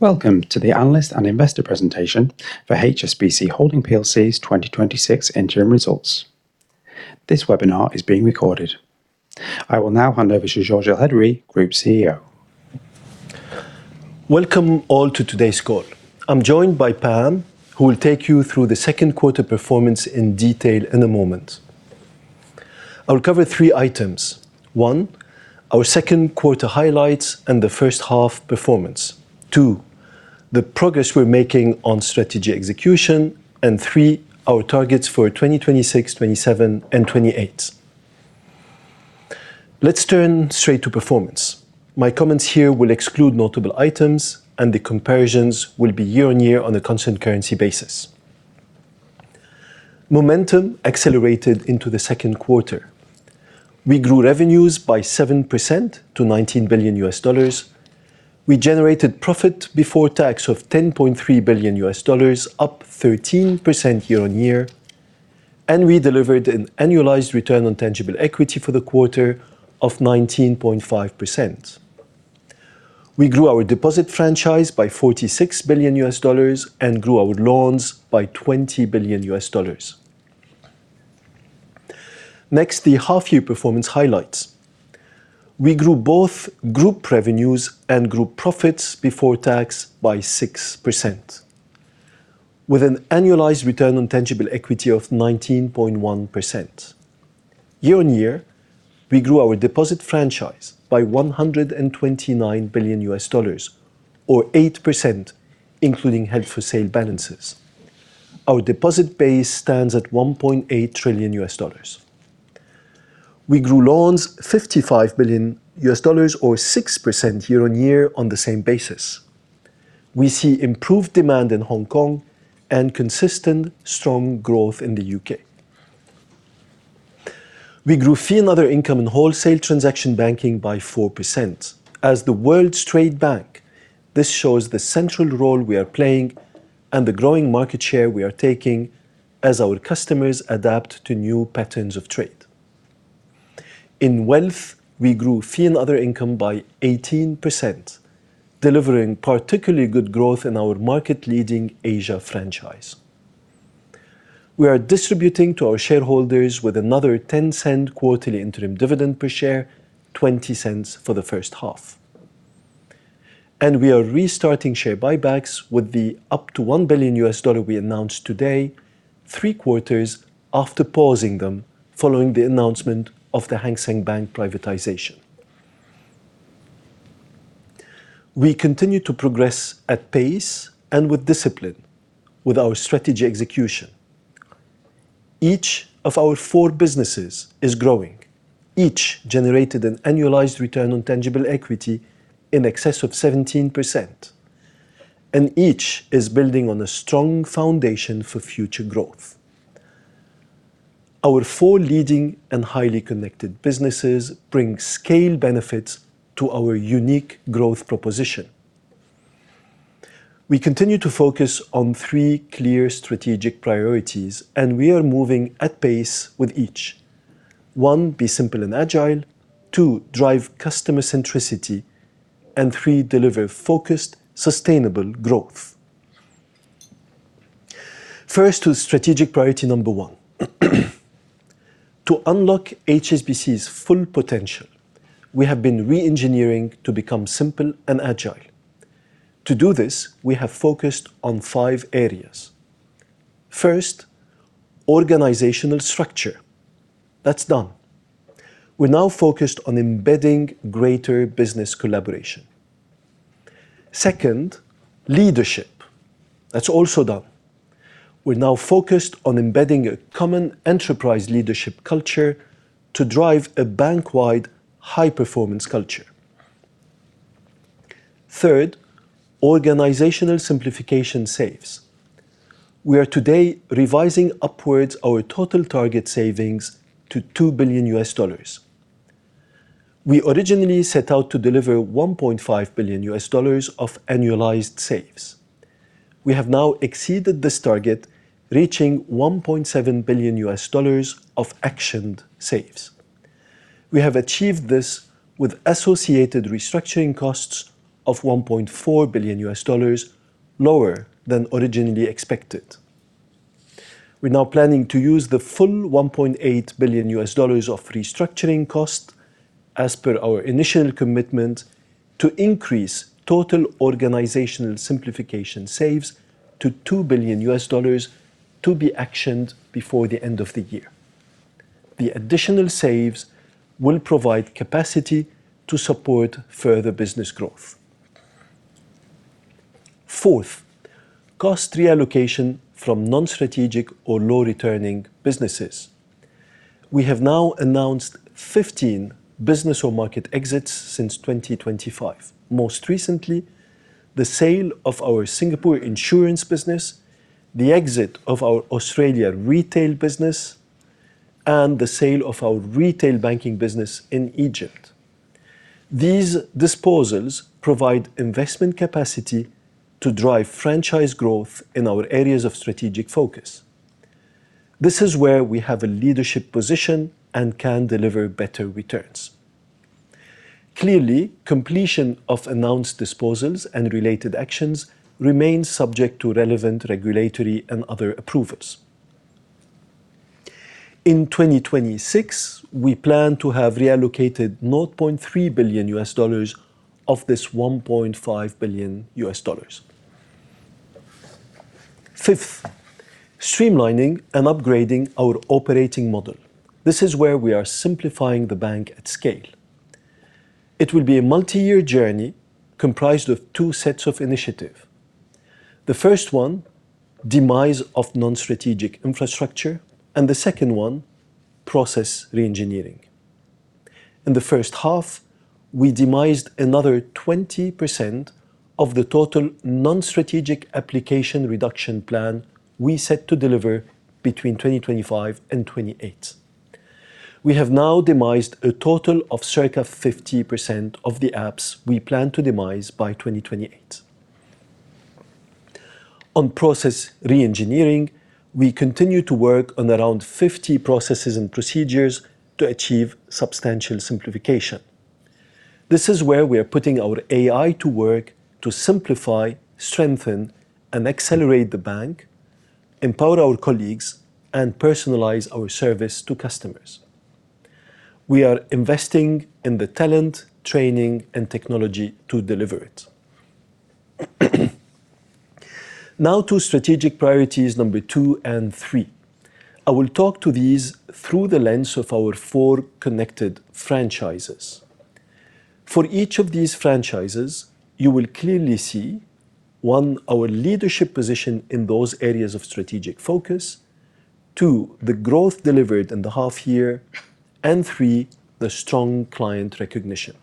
Welcome to the analyst and investor presentation for HSBC Holdings plc's 2026 interim results. This webinar is being recorded. I will now hand over to Georges Elhedery, Group CEO. Welcome all to today's call. I'm joined by Pam, who will take you through the second quarter performance in detail in a moment. I'll cover three items. One, our second quarter highlights and the first-half performance. Two, the progress we're making on strategy execution. Three, our targets for 2026, 2027, and 2028. Let's turn straight to performance. My comments here will exclude notable items, and the comparisons will be year-on-year on a constant currency basis. Momentum accelerated into the second quarter. We grew revenues by 7% to $19 billion. We generated profit before tax of $10.3 billion, up 13% year-on-year, and we delivered an annualized return on tangible equity for the quarter of 19.5%. We grew our deposit franchise by $46 billion and grew our loans by $20 billion. Next, the half-year performance highlights. We grew both group revenues and group profits before tax by 6% with an annualized return on tangible equity of 19.1%. Year-on-year, we grew our deposit franchise by $129 billion, or 8%, including held-for-sale balances. Our deposit base stands at $1.8 trillion. We grew loans $55 billion, or 6% year-on-year on the same basis. We see improved demand in Hong Kong and consistent strong growth in the U.K. We grew fee and other income and wholesale transaction banking by 4%. As the world's trade bank, this shows the central role we are playing and the growing market share we are taking as our customers adapt to new patterns of trade. In wealth, we grew fee and other income by 18%, delivering particularly good growth in our market-leading Asia franchise. We are distributing to our shareholders with another $0.10 quarterly interim dividend per share, $0.20 for the first half. We are restarting share buybacks with the up to $1 billion we announced today, three quarters after pausing them following the announcement of the Hang Seng Bank privatization. We continue to progress at pace and with discipline with our strategy execution. Each of our four businesses is growing. Each generated an annualized return on tangible equity in excess of 17%, and each is building on a strong foundation for future growth. Our four leading and highly connected businesses bring scale benefits to our unique growth proposition. We continue to focus on three clear strategic priorities. We are moving at pace with each. One, be simple and agile. Two, drive customer centricity. Three, deliver focused, sustainable growth. First, to strategic priority number one. To unlock HSBC's full potential, we have been re-engineering to become simple and agile. To do this, we have focused on five areas. First, organizational structure. That's done. We are now focused on embedding greater business collaboration. Second, leadership. That's also done. We are now focused on embedding a common enterprise leadership culture to drive a bank-wide high-performance culture. Third, organizational simplification saves. We are today revising upwards our total target savings to $2 billion. We originally set out to deliver $1.5 billion of annualized saves. We have now exceeded this target, reaching $1.7 billion of actioned saves. We have achieved this with associated restructuring costs of $1.4 billion, lower than originally expected. We are now planning to use the full $1.8 billion of restructuring cost as per our initial commitment to increase total organizational simplification saves to $2 billion to be actioned before the end of the year. The additional saves will provide capacity to support further business growth. Fourth, cost reallocation from non-strategic or low-returning businesses. We have now announced 15 business or market exits since 2025, most recently the sale of our Singapore insurance business, the exit of our Australia retail business, and the sale of our retail banking business in Egypt. These disposals provide investment capacity to drive franchise growth in our areas of strategic focus. This is where we have a leadership position and can deliver better returns. Clearly, completion of announced disposals and related actions remains subject to relevant regulatory and other approvals. In 2026, we plan to have reallocated $0.3 billion of this $1.5 billion. Fifth, streamlining and upgrading our operating model. This is where we are simplifying the bank at scale. It will be a multi-year journey comprised of two sets of initiative. The first one, demise of non-strategic infrastructure, and the second one, process re-engineering. In the first half, we demised another 20% of the total non-strategic application reduction plan we set to deliver between 2025 and 2028. We have now demised a total of circa 50% of the apps we plan to demise by 2028. On process re-engineering, we continue to work on around 50 processes and procedures to achieve substantial simplification. This is where we are putting our AI to work to simplify, strengthen, and accelerate the bank, empower our colleagues, and personalize our service to customers. We are investing in the talent, training, and technology to deliver it. Now to strategic priorities number two and three. I will talk to these through the lens of our four connected franchises. For each of these franchises, you will clearly see, one, our leadership position in those areas of strategic focus, two, the growth delivered in the half year, and three, the strong client recognition.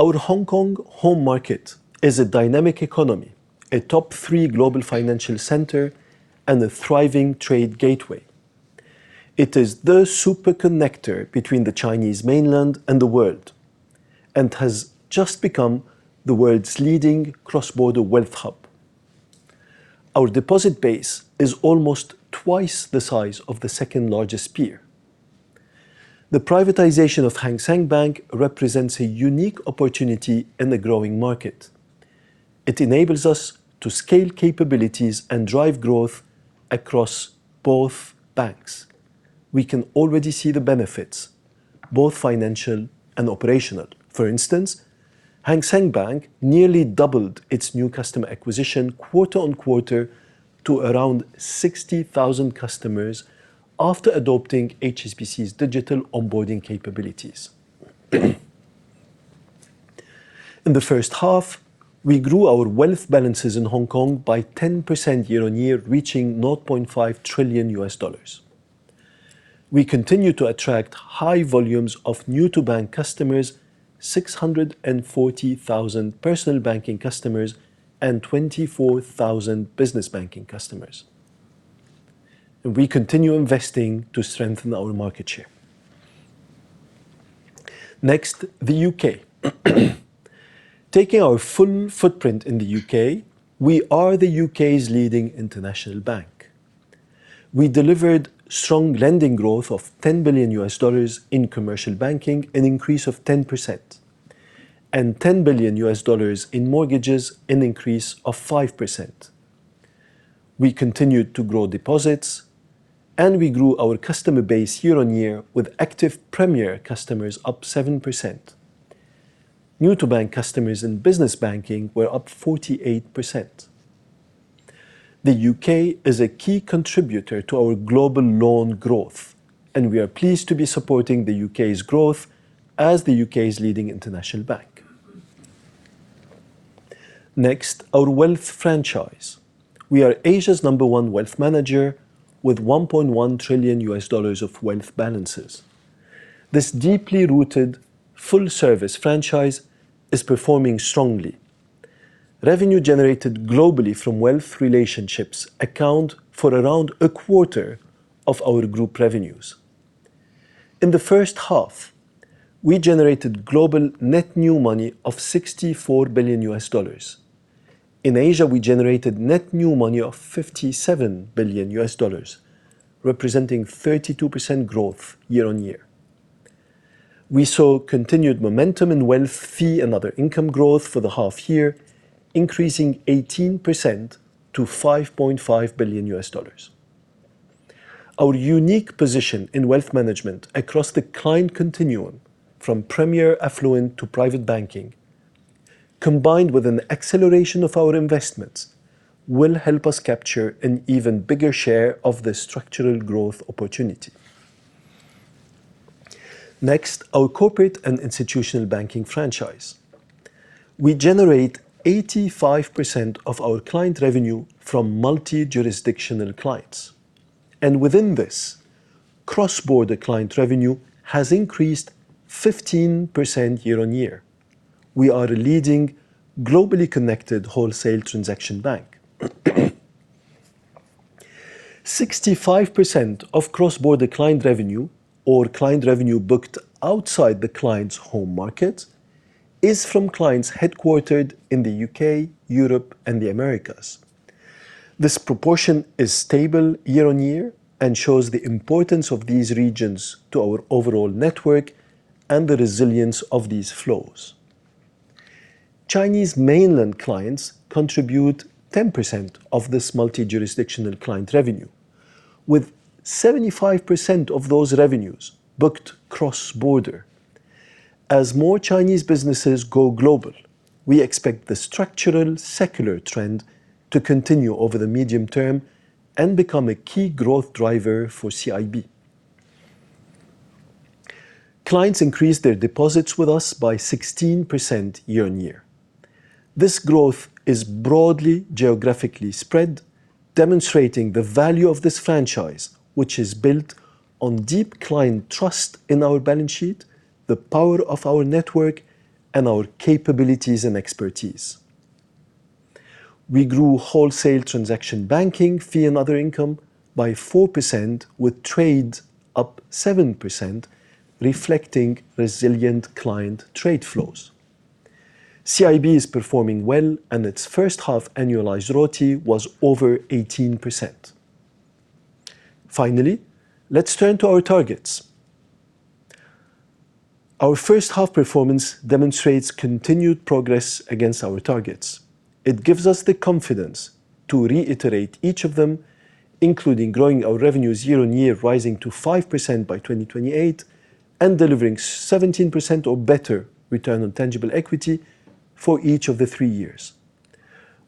Our Hong Kong home market is a dynamic economy, a top three global financial center, and a thriving trade gateway. It is the super connector between the Chinese mainland and the world and has just become the world's leading cross-border wealth hub. Our deposit base is almost twice the size of the second largest peer. The privatization of Hang Seng Bank represents a unique opportunity in the growing market. It enables us to scale capabilities and drive growth across both banks. We can already see the benefits, both financial and operational. For instance, Hang Seng Bank nearly doubled its new customer acquisition quarter-on-quarter to around 60,000 customers after adopting HSBC's digital onboarding capabilities. In the first half, we grew our wealth balances in Hong Kong by 10% year-on-year, reaching $0.5 trillion. We continue to attract high volumes of new-to-bank customers, 640,000 personal banking customers, and 24,000 business banking customers. We continue investing to strengthen our market share. Next, the U.K. Taking our full footprint in the U.K., we are the U.K.'s leading international bank. We delivered strong lending growth of $10 billion in commercial banking, an increase of 10%, and $10 billion in mortgages, an increase of 5%. We continued to grow deposits, and we grew our customer base year-on-year with active premier customers up 7%. New-to-bank customers and business banking were up 48%. The U.K. is a key contributor to our global loan growth, and we are pleased to be supporting the U.K.'s growth as the U.K.'s leading international bank. Next, our wealth franchise. We are Asia's number one wealth manager with $1.1 trillion of wealth balances. This deeply rooted full-service franchise is performing strongly. Revenue generated globally from wealth relationships account for around 1/4 of our group revenues. In the first half, we generated global net new money of $64 billion. In Asia, we generated net new money of $57 billion, representing 32% growth year-on-year. We saw continued momentum in wealth fee and other income growth for the half year, increasing 18% to $5.5 billion. Our unique position in wealth management across the client continuum from premier affluent to private banking, combined with an acceleration of our investments, will help us capture an even bigger share of the structural growth opportunity. Next, our Corporate and Institutional Banking franchise. We generate 85% of our client revenue from multi-jurisdictional clients, and within this, cross-border client revenue has increased 15% year-on-year. We are a leading globally connected wholesale transaction banking. 65% of cross-border client revenue, or client revenue booked outside the client's home market is from clients headquartered in the U.K., Europe, and the Americas. This proportion is stable year-on-year and shows the importance of these regions to our overall network and the resilience of these flows. Chinese mainland clients contribute 10% of this multi-jurisdictional client revenue, with 75% of those revenues booked cross-border. As more Chinese businesses go global, we expect the structural secular trend to continue over the medium term and become a key growth driver for CIB. Clients increased their deposits with us by 16% year-on-year. This growth is broadly geographically spread, demonstrating the value of this franchise, which is built on deep client trust in our balance sheet, the power of our network, and our capabilities and expertise. We grew wholesale transaction banking fee and other income by 4%, with trade up 7%, reflecting resilient client trade flows. CIB is performing well, and its first half annualized ROTE was over 18%. Finally, let's turn to our targets. Our first half performance demonstrates continued progress against our targets. It gives us the confidence to reiterate each of them, including growing our revenues year-on-year, rising to 5% by 2028, and delivering 17% or better return on tangible equity for each of the three years.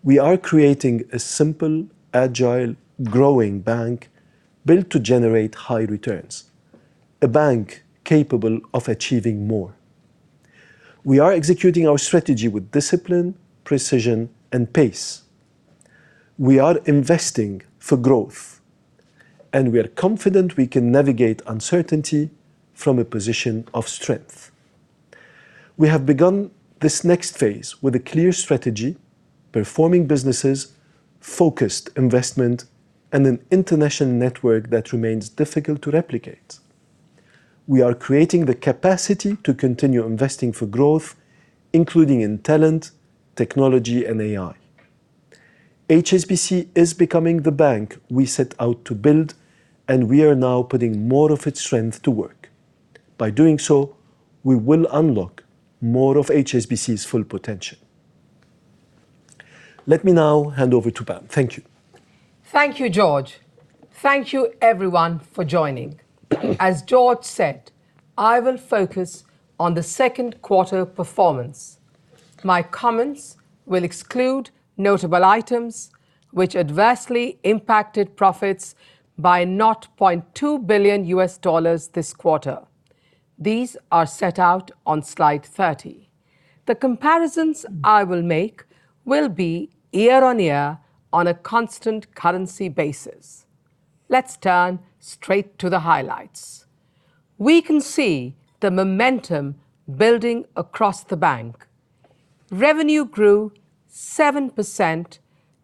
We are creating a simple, agile, growing bank built to generate high returns, a bank capable of achieving more. We are executing our strategy with discipline, precision, and pace. We are investing for growth, and we are confident we can navigate uncertainty from a position of strength. We have begun this next phase with a clear strategy, performing businesses, focused investment, and an international network that remains difficult to replicate. We are creating the capacity to continue investing for growth, including in talent, technology, and AI. HSBC is becoming the bank we set out to build, and we are now putting more of its strength to work. By doing so, we will unlock more of HSBC's full potential. Let me now hand over to Pam. Thank you. Thank you, Georges. Thank you everyone for joining. As Georges said, I will focus on the second quarter performance. My comments will exclude notable items which adversely impacted profits by $0.2 billion this quarter. These are set out on slide 30. The comparisons I will make will be year-on-year on a constant currency basis. Let's turn straight to the highlights. We can see the momentum building across the bank. Revenue grew 7%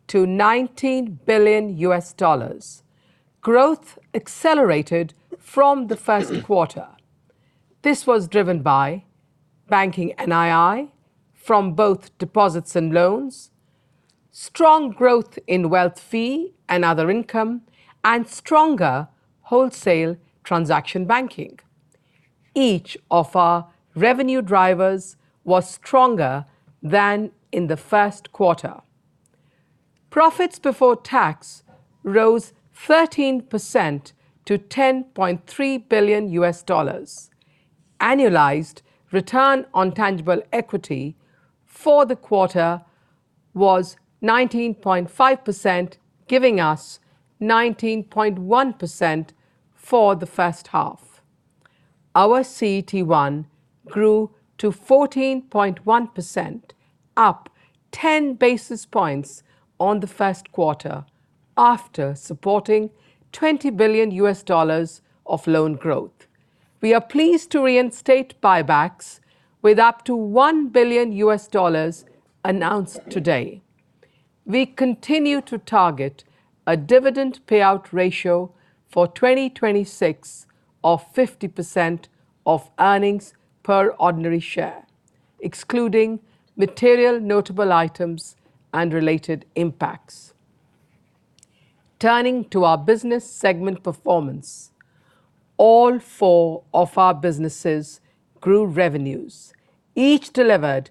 to $19 billion. Growth accelerated from the first quarter. This was driven by banking NII from both deposits and loans, strong growth in wealth fee and other income, and stronger wholesale transaction banking. Each of our revenue drivers was stronger than in the first quarter. Profits before tax rose 13% to $10.3 billion. Annualized return on tangible equity for the quarter was 19.5%, giving us 19.1% for the first half. Our CET1 grew to 14.1%, up 10 basis points on the first quarter after supporting $20 billion of loan growth. We are pleased to reinstate buybacks with up to $1 billion announced today. We continue to target a dividend payout ratio for 2026 of 50% of earnings per ordinary share, excluding material notable items and related impacts. Turning to our business segment performance, all four of our businesses grew revenues. Each delivered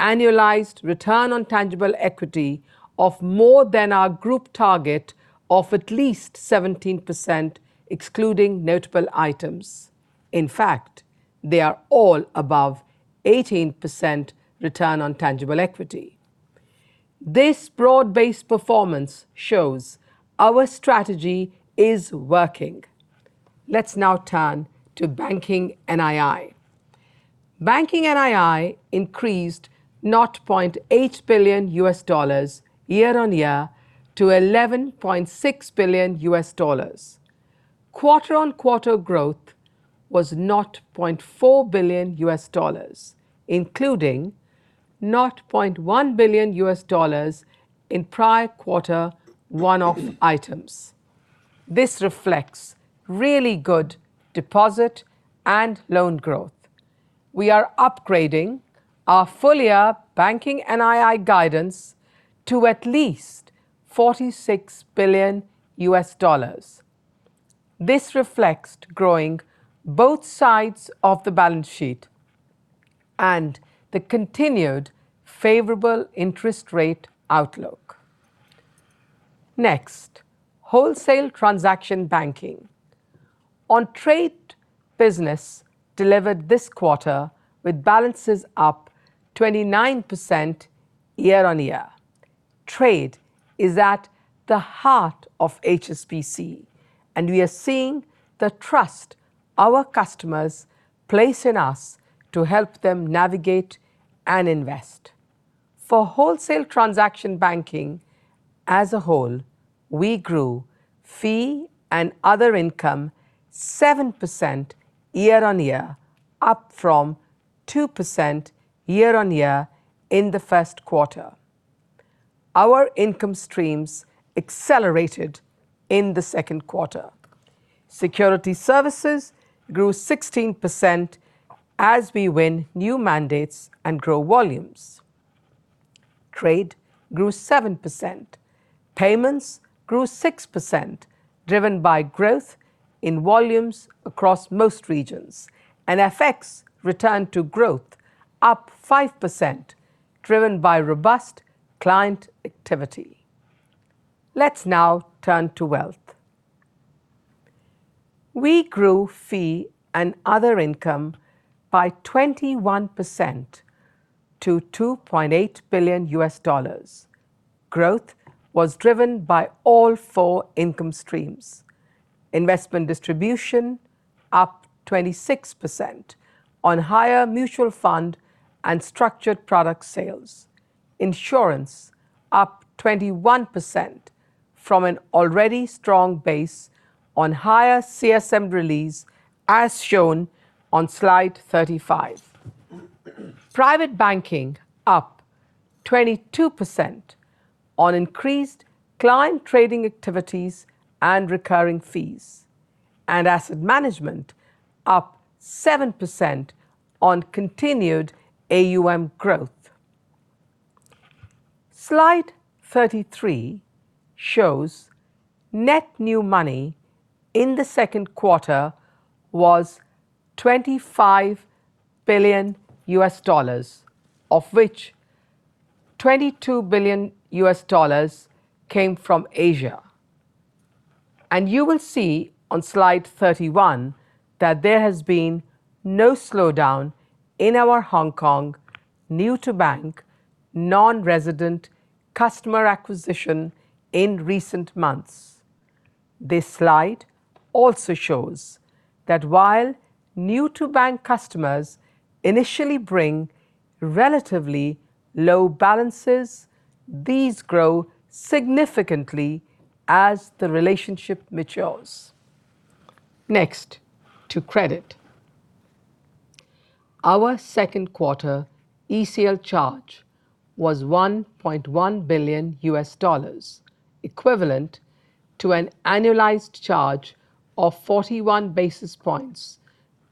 annualized return on tangible equity of more than our group target of at least 17%, excluding notable items. In fact, they are all above 18% return on tangible equity. This broad-based performance shows our strategy is working. Let's now turn to banking NII. Banking NII increased $0.8 billion year-on-year to $11.6 billion. Quarter-on-quarter growth was $0.4 billion, including $0.1 billion in prior quarter one-off items. This reflects really good deposit and loan growth. We are upgrading our full-year banking NII guidance to at least $46 billion. This reflects growing both sides of the balance sheet and the continued favorable interest rate outlook. Next, wholesale transaction banking. On trade business delivered this quarter with balances up 29% year-on-year. Trade is at the heart of HSBC, and we are seeing the trust our customers place in us to help them navigate and invest. For wholesale transaction banking as a whole, we grew fee and other income 7% year-on-year, up from 2% year-on-year in the first quarter. Our income streams accelerated in the second quarter. Security services grew 16% as we win new mandates and grow volumes. Trade grew 7%, payments grew 6%, driven by growth in volumes across most regions, and FX returned to growth, up 5%, driven by robust client activity. Let's now turn to wealth. We grew fee and other income by 21% to $2.8 billion. Growth was driven by all four income streams. Investment distribution up 26% on higher mutual fund and structured product sales. Insurance up 21% from an already strong base on higher CSM release, as shown on slide 35. Private banking up 22% on increased client trading activities and recurring fees. Asset management up 7% on continued AUM growth. Slide 33 shows net new money in the second quarter was $25 billion, of which $22 billion came from Asia. You will see on slide 31 that there has been no slowdown in our Hong Kong new-to-bank non-resident customer acquisition in recent months. This slide also shows that while new-to-bank customers initially bring relatively low balances, these grow significantly as the relationship matures. Next, to credit. Our second quarter ECL charge was $1.1 billion, equivalent to an annualized charge of 41 basis points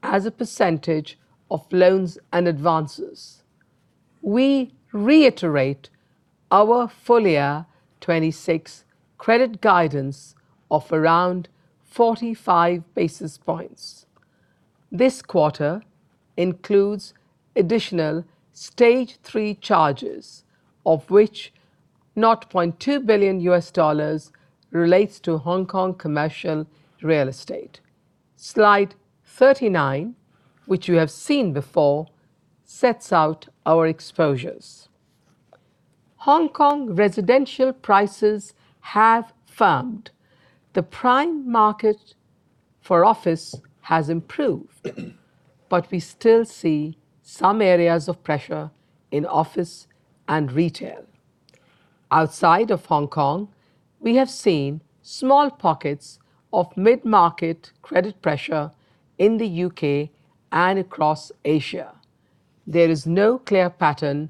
as a percentage of loans and advances. We reiterate our full-year 2026 credit guidance of around 45 basis points. This quarter includes additional stage 3 charges, of which $0.2 billion relates to Hong Kong commercial real estate. Slide 39, which you have seen before, sets out our exposures. Hong Kong residential prices have firmed. The prime market for office has improved. We still see some areas of pressure in office and retail. Outside of Hong Kong, we have seen small pockets of mid-market credit pressure in the U.K. and across Asia. There is no clear pattern.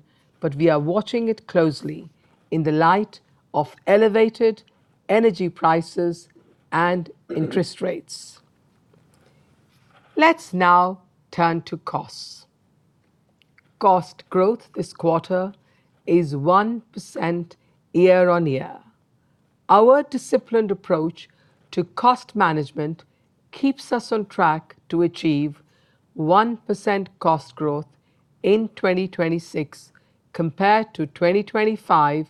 We are watching it closely in the light of elevated energy prices and interest rates. Let's now turn to costs. Cost growth this quarter is 1% year-on-year. Our disciplined approach to cost management keeps us on track to achieve 1% cost growth in 2026 compared to 2025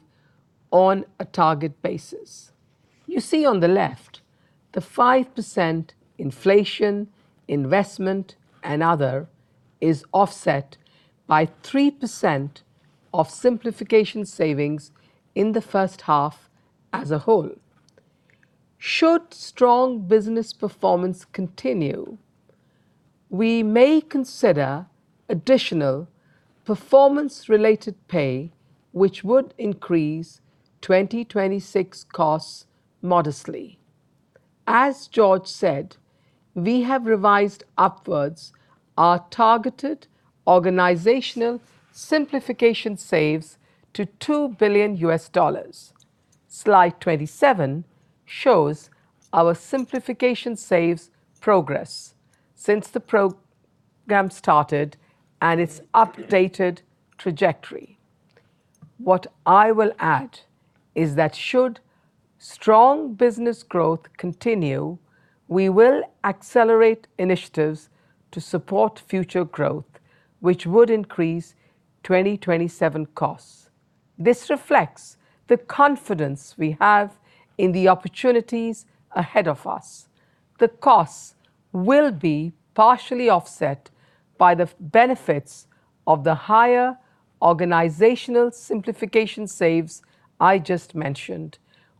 on a target basis. You see on the left, the 5% inflation, investment, and other is offset by 3% of simplification savings in the first half as a whole. Should strong business performance continue, we may consider additional performance-related pay, which would increase 2026 costs modestly. As Georges said, we have revised upwards our targeted organizational simplification saves to $2 billion. Slide 27 shows our simplification saves progress since the program started and its updated trajectory. What I will add is that should strong business growth continue, we will accelerate initiatives to support future growth, which would increase 2027 costs. This reflects the confidence we have in the opportunities ahead of us. The costs will be partially offset by the benefits of the higher organizational simplification saves I just mentioned,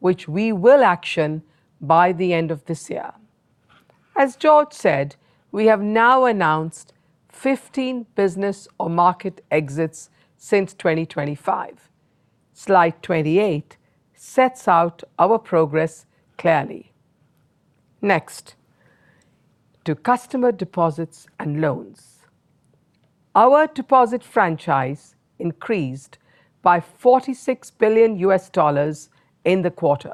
which we will action by the end of this year. As Georges said, we have now announced 15 business or market exits since 2025. Slide 28 sets out our progress clearly. Next, to customer deposits and loans. Our deposit franchise increased by $46 billion in the quarter.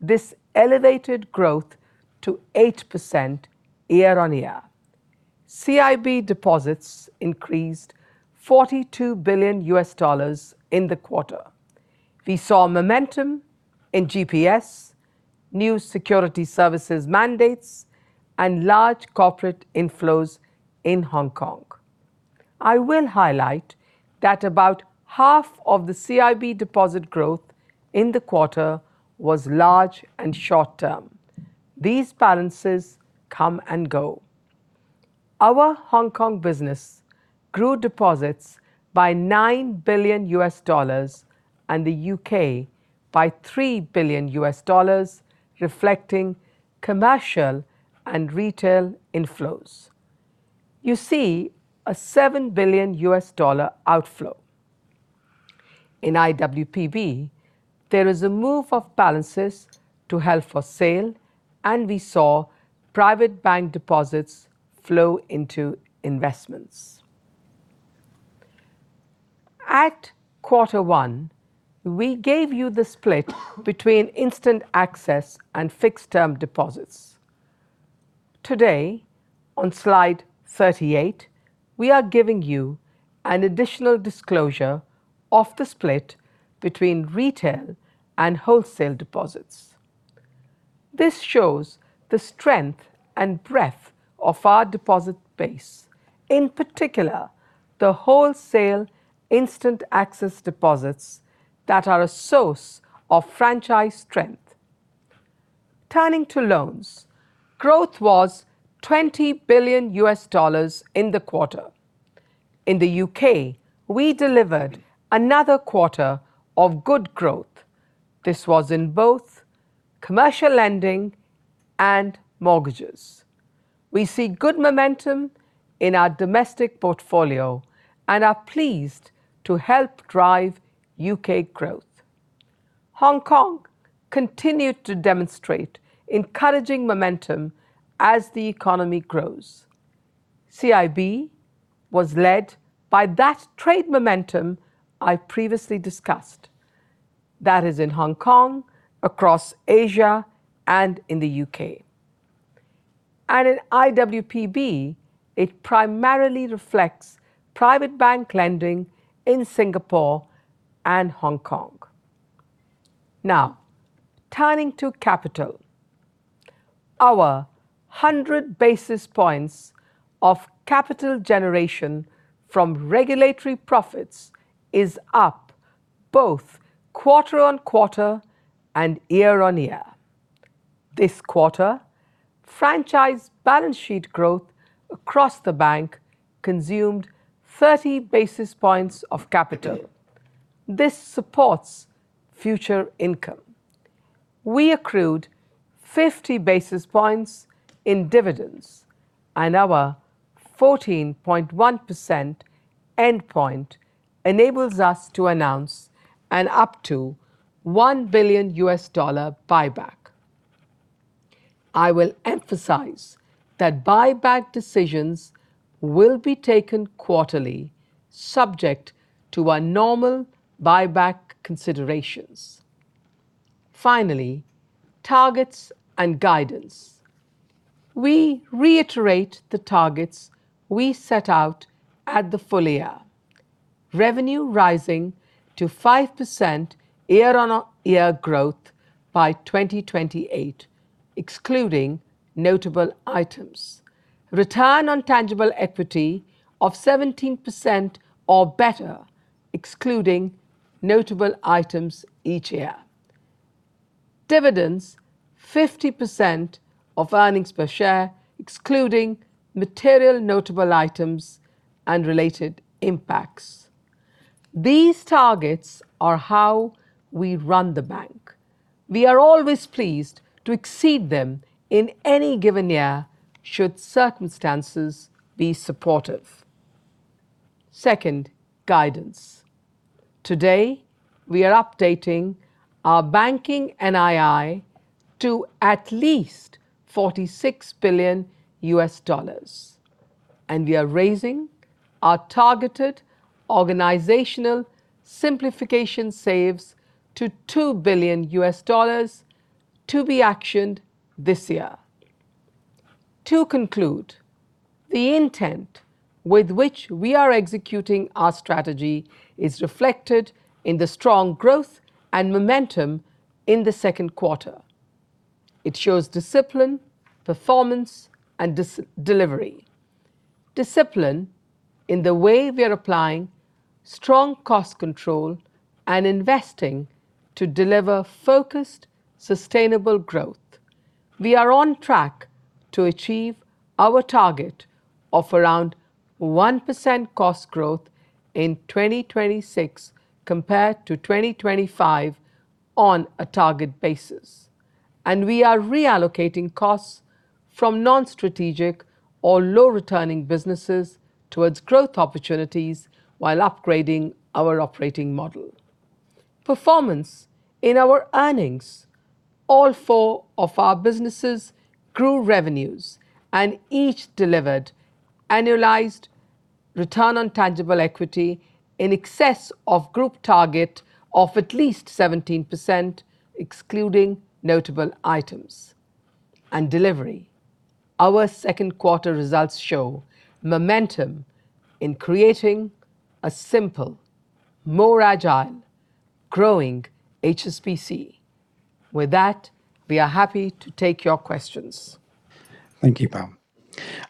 This elevated growth to 8% year-on-year. CIB deposits increased $42 billion in the quarter. We saw momentum in GPS, new security services mandates, and large corporate inflows in Hong Kong. I will highlight that about half of the CIB deposit growth in the quarter was large and short-term. These balances come and go. Our Hong Kong business grew deposits by $9 billion, and the U.K. by $3 billion, reflecting commercial and retail inflows. You see a $7 billion outflow. In IWPB, there is a move of balances to held for sale, and we saw private bank deposits flow into investments. At quarter one, we gave you the split between instant access and fixed-term deposits. Today, on slide 38, we are giving you an additional disclosure of the split between retail and wholesale deposits. This shows the strength and breadth of our deposit base, in particular, the wholesale instant access deposits that are a source of franchise strength. Turning to loans, growth was $20 billion in the quarter. In the U.K., we delivered another quarter of good growth. This was in both commercial lending and mortgages. We see good momentum in our domestic portfolio and are pleased to help drive U.K. growth. Hong Kong continued to demonstrate encouraging momentum as the economy grows. CIB was led by that trade momentum I previously discussed. That is in Hong Kong, across Asia, and in the U.K. In IWPB, it primarily reflects private bank lending in Singapore and Hong Kong. Now, turning to capital. Our 100 basis points of capital generation from regulatory profits is up both quarter-on-quarter and year-on-year. This quarter, franchise balance sheet growth across the bank consumed 30 basis points of capital. This supports future income. We accrued 50 basis points in dividends, and our 14.1% endpoint enables us to announce an up to $1 billion buyback. I will emphasize that buyback decisions will be taken quarterly, subject to our normal buyback considerations. Finally, targets and guidance. We reiterate the targets we set out at the full year. Revenue rising to 5% year-on-year growth by 2028, excluding notable items. Return on tangible equity of 17% or better, excluding notable items each year. Dividends, 50% of earnings per share, excluding material notable items and related impacts. These targets are how we run the bank. We are always pleased to exceed them in any given year should circumstances be supportive. Second, guidance. Today, we are updating our banking NII to at least $46 billion, and we are raising our targeted organizational simplification saves to $2 billion to be actioned this year. To conclude, the intent with which we are executing our strategy is reflected in the strong growth and momentum in the second quarter. It shows discipline, performance, and delivery. Discipline in the way we are applying strong cost control and investing to deliver focused, sustainable growth. We are on track to achieve our target of around 1% cost growth in 2026 compared to 2025 on a target basis. We are reallocating costs from non-strategic or low-returning businesses towards growth opportunities while upgrading our operating model. Performance in our earnings. All four of our businesses grew revenues and each delivered annualized return on tangible equity in excess of group target of at least 17%, excluding notable items. Delivery. Our second quarter results show momentum in creating a simple, more agile, growing HSBC. With that, we are happy to take your questions. Thank you, Pam.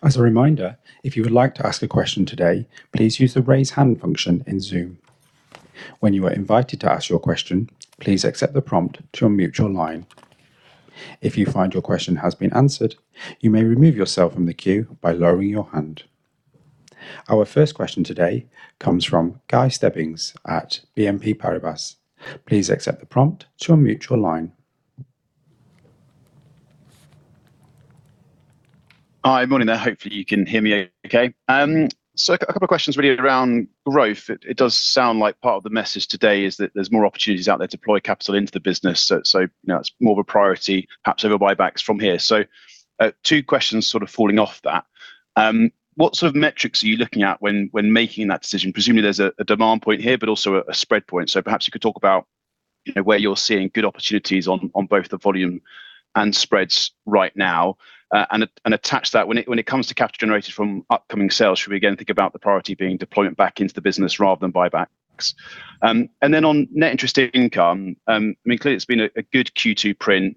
As a reminder, if you would like to ask a question today, please use the raise hand function in Zoom. When you are invited to ask your question, please accept the prompt to unmute your line. If you find your question has been answered, you may remove yourself from the queue by lowering your hand. Our first question today comes from Guy Stebbings at BNP Paribas. Please accept the prompt to unmute your line. Hi. Morning there. Hopefully, you can hear me okay. A couple of questions really around growth. It does sound like part of the message today is that there's more opportunities out there to deploy capital into the business, so it's more of a priority, perhaps over buybacks from here. Two questions sort of falling off that. What sort of metrics are you looking at when making that decision? Presumably, there's a demand point here, but also a spread point. Perhaps you could talk about where you're seeing good opportunities on both the volume and spreads right now, and attach that. When it comes to capital generated from upcoming sales, should we again think about the priority being deployment back into the business rather than buybacks? Then on net interest income, clearly it's been a good Q2 print.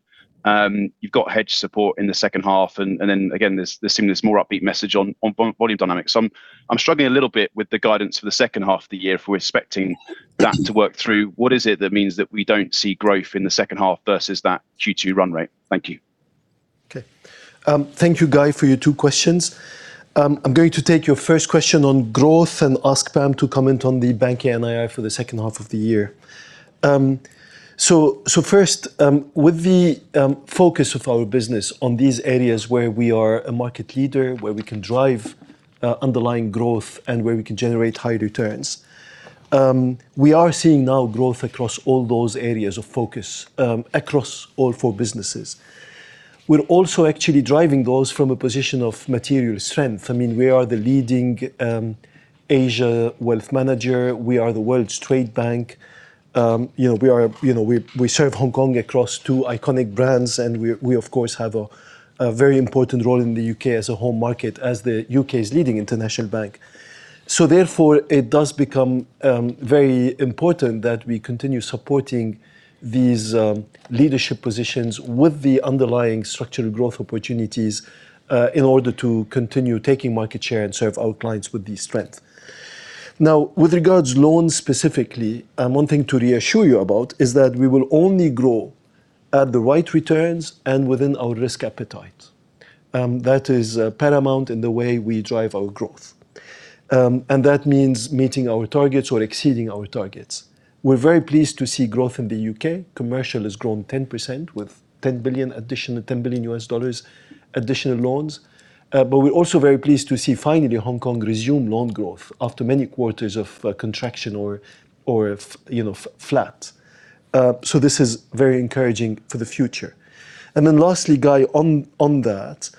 You've got hedge support in the second half, then again, there seems this more upbeat message on volume dynamics. I'm struggling a little bit with the guidance for the second half of the year if we're expecting that to work through. What is it that means that we don't see growth in the second half versus that Q2 run rate? Thank you. Thank you, Guy, for your two questions. I am going to take your first question on growth and ask Pam to comment on the bank NII for the second half of the year. First, with the focus of our business on these areas where we are a market leader, where we can drive underlying growth, and where we can generate high returns, we are seeing now growth across all those areas of focus, across all four businesses. We are also actually driving those from a position of material strength. We are the leading Asia wealth manager. We are the world's trade bank. We serve Hong Kong across two iconic brands, and we of course have a very important role in the U.K. as a home market, as the U.K.'s leading international bank. Therefore, it does become very important that we continue supporting these leadership positions with the underlying structural growth opportunities, in order to continue taking market share and serve our clients with this strength. Now, with regards loans specifically, one thing to reassure you about is that we will only grow at the right returns and within our risk appetite. That is paramount in the way we drive our growth. That means meeting our targets or exceeding our targets. We are very pleased to see growth in the U.K. Commercial has grown 10% with additional $10 billion additional loans. We are also very pleased to see finally Hong Kong resume loan growth after many quarters of contraction or flat. This is very encouraging for the future. Lastly, Guy, on that,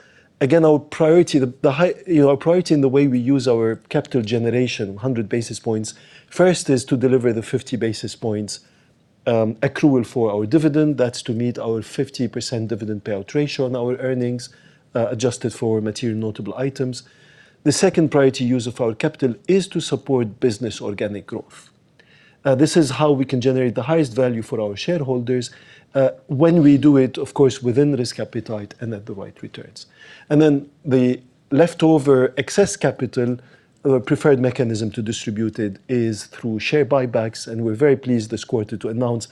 again, our priority in the way we use our capital generation, 100 basis points, first is to deliver the 50 basis points accrual for our dividend. That is to meet our 50% dividend payout ratio on our earnings, adjusted for material notable items. The second priority use of our capital is to support business organic growth. This is how we can generate the highest value for our shareholders when we do it, of course, within risk appetite and at the right returns. The leftover excess capital, preferred mechanism to distribute it is through share buybacks, and we are very pleased this quarter to announce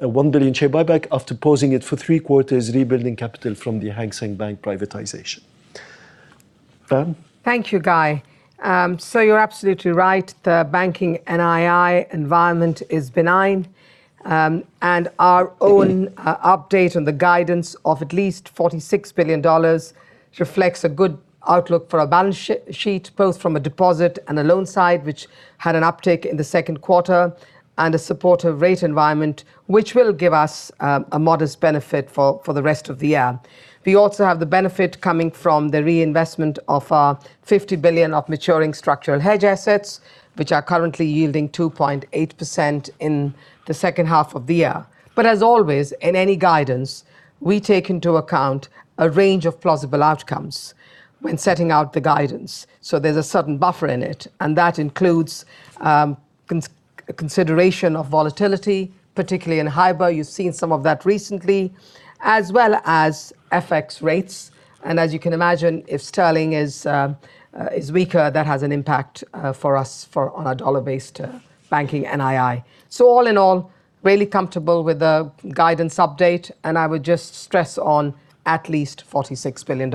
a $1 billion share buyback after pausing it for three quarters, rebuilding capital from the Hang Seng Bank privatization. Pam? Thank you, Guy. You are absolutely right. The banking NII environment is benign. Our own update on the guidance of at least $46 billion reflects a good outlook for our balance sheet, both from a deposit and a loan side, which had an uptick in the second quarter, and a supportive rate environment, which will give us a modest benefit for the rest of the year. We also have the benefit coming from the reinvestment of our $50 billion of maturing structural hedge assets, which are currently yielding 2.8% in the second half of the year. As always, in any guidance, we take into account a range of plausible outcomes when setting out the guidance. There is a certain buffer in it, and that includes consideration of volatility, particularly in HIBOR, you have seen some of that recently, as well as FX rates. As you can imagine, if sterling is weaker, that has an impact for us on our dollar-based banking NII. All in all, really comfortable with the guidance update, and I would just stress on at least $46 billion.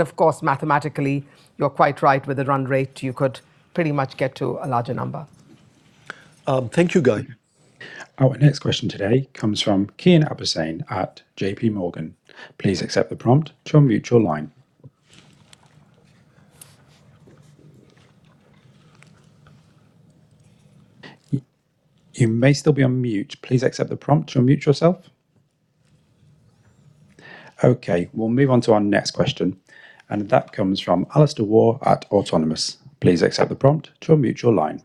Of course, mathematically, you're quite right with the run rate, you could pretty much get to a larger number. Thank you, Guy. Our next question today comes from Kian Abouhossein at JPMorgan. Please accept the prompt to unmute your line. You may still be on mute. Please accept the prompt to unmute yourself. Okay, we'll move on to our next question, and that comes from Alastair Warr at Autonomous. Please accept the prompt to unmute your line.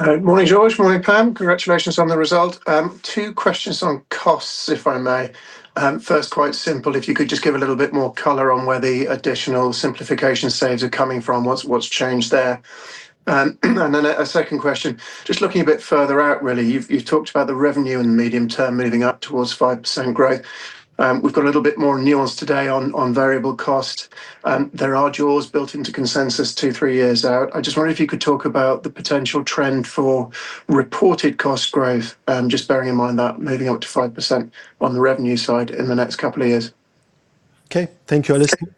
Morning, Georges. Morning, Pam. Congratulations on the result. Two questions on costs, if I may. First, quite simple, if you could just give a little bit more color on where the additional simplification saves are coming from. What's changed there? Then a second question. Just looking a bit further out, really. You've talked about the revenue in the medium term moving up towards 5% growth. We've got a little bit more nuance today on variable cost. There are jaws built into consensus two, three years out. I just wonder if you could talk about the potential trend for reported cost growth, just bearing in mind that moving up to 5% on the revenue side in the next couple of years. Okay. Thank you, Alastair.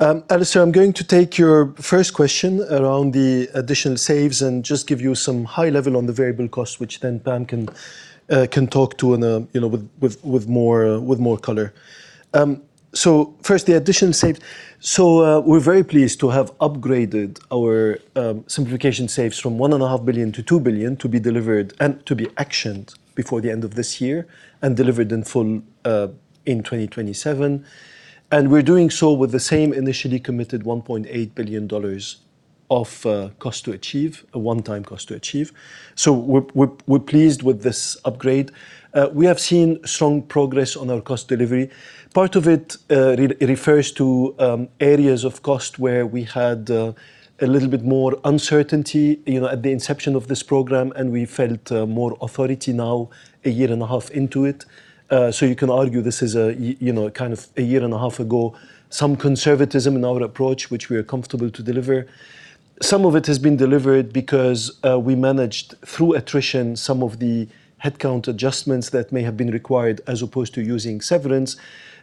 Alastair, I'm going to take your first question around the additional saves and just give you some high level on the variable cost, which then Pam can talk to with more color. First, the additional save. We're very pleased to have upgraded our simplification saves from $1.5 to 2 billion to be delivered and to be actioned before the end of this year, and delivered in full in 2027. We're doing so with the same initially committed $1.8 billion of cost to achieve, a one-time cost to achieve. We're pleased with this upgrade. We have seen strong progress on our cost delivery. Part of it refers to areas of cost where we had a little bit more uncertainty at the inception of this program, and we felt more authority now, a year and a half into it. You can argue this is a year and a half ago, some conservatism in our approach, which we are comfortable to deliver. Some of it has been delivered because we managed, through attrition, some of the headcount adjustments that may have been required, as opposed to using severance.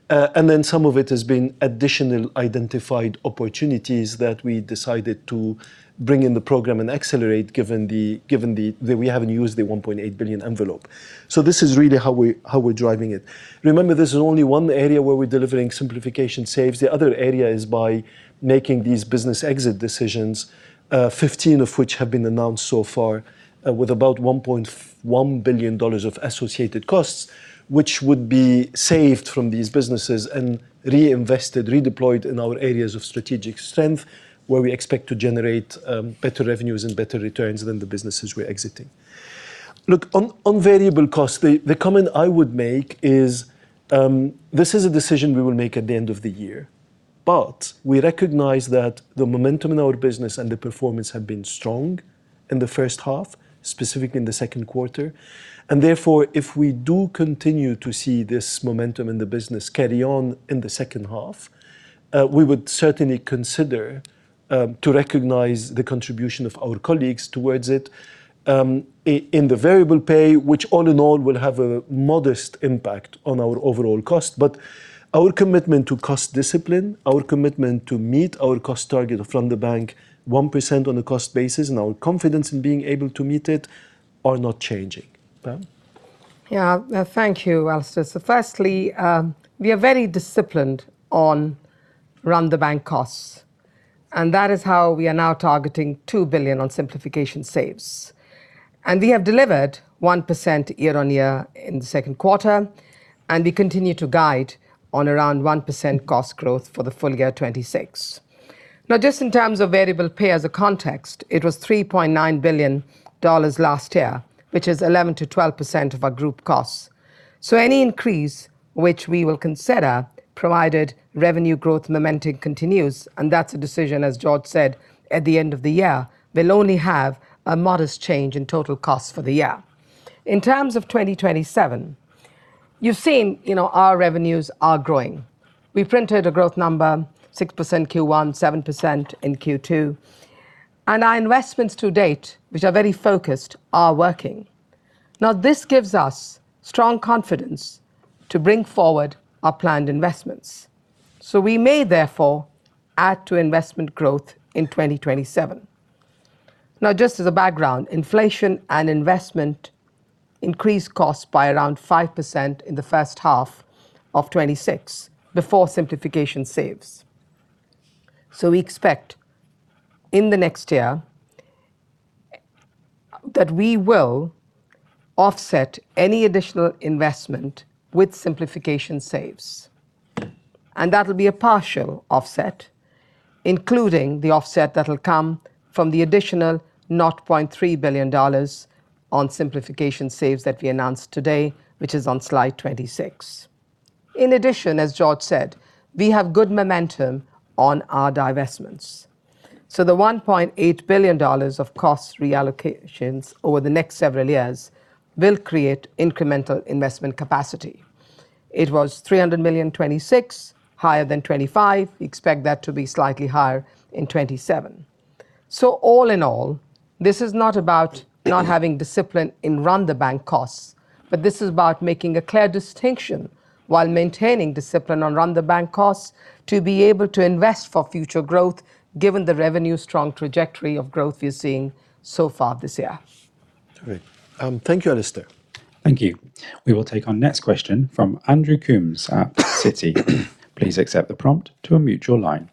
Some of it has been additional identified opportunities that we decided to bring in the program and accelerate, given that we haven't used the $1.8 billion envelope. This is really how we're driving it. Remember, this is only one area where we're delivering simplification saves. The other area is by making these business exit decisions, 15 of which have been announced so far, with about $1.1 billion of associated costs, which would be saved from these businesses and reinvested, redeployed in our areas of strategic strength, where we expect to generate better revenues and better returns than the businesses we're exiting. Look, on variable cost, the comment I would make is, this is a decision we will make at the end of the year. We recognize that the momentum in our business and the performance have been strong in the first half, specifically in the second quarter, therefore, if we do continue to see this momentum in the business carry on in the second half, we would certainly consider to recognize the contribution of our colleagues towards it in the variable pay, which all in all will have a modest impact on our overall cost. Our commitment to cost discipline, our commitment to meet our cost target of run the bank 1% on a cost basis, and our confidence in being able to meet it are not changing. Pam? Thank you, Alastair. Firstly, we are very disciplined on run the bank costs, and that is how we are now targeting $2 billion on simplification saves. We have delivered 1% year-on-year in the second quarter, and we continue to guide on around 1% cost growth for the full year 2026. Just in terms of variable pay as a context, it was $3.9 billion last year, which is 11%-12% of our group costs. Any increase, which we will consider, provided revenue growth momentum continues, and that's a decision, as Georges said, at the end of the year, will only have a modest change in total cost for the year. In terms of 2027, you've seen our revenues are growing. We printed a growth number, 6% Q1, 7% in Q2. Our investments to date, which are very focused, are working. This gives us strong confidence to bring forward our planned investments. We may therefore add to investment growth in 2027. Just as a background, inflation and investment increased costs by around 5% in the first half of 2026, before simplification saves. We expect, in the next year, that we will offset any additional investment with simplification saves, and that'll be a partial offset, including the offset that'll come from the additional $0.3 billion on simplification saves that we announced today, which is on slide 26. In addition, as Georges said, we have good momentum on our divestments. The $1.8 billion of cost reallocations over the next several years will create incremental investment capacity. It was $300 million in 2026, higher than 2025. We expect that to be slightly higher in 2027. All in all, this is not about not having discipline in run-the-bank costs, but this is about making a clear distinction while maintaining discipline on run-the-bank costs to be able to invest for future growth, given the revenue strong trajectory of growth we're seeing so far this year. Great. Thank you, Alastair. Thank you. We will take our next question from Andrew Coombs at Citi. Please accept the prompt to unmute your line.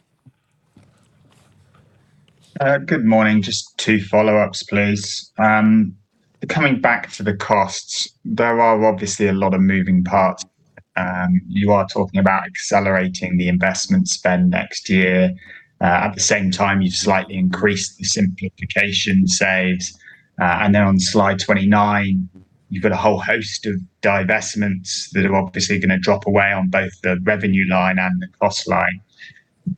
Good morning. Just two follow-ups, please. Coming back to the costs, there are obviously a lot of moving parts. You are talking about accelerating the investment spend next year. At the same time, you've slightly increased the simplification saves. On slide 29, you've got a whole host of divestments that are obviously going to drop away on both the revenue line and the cost line.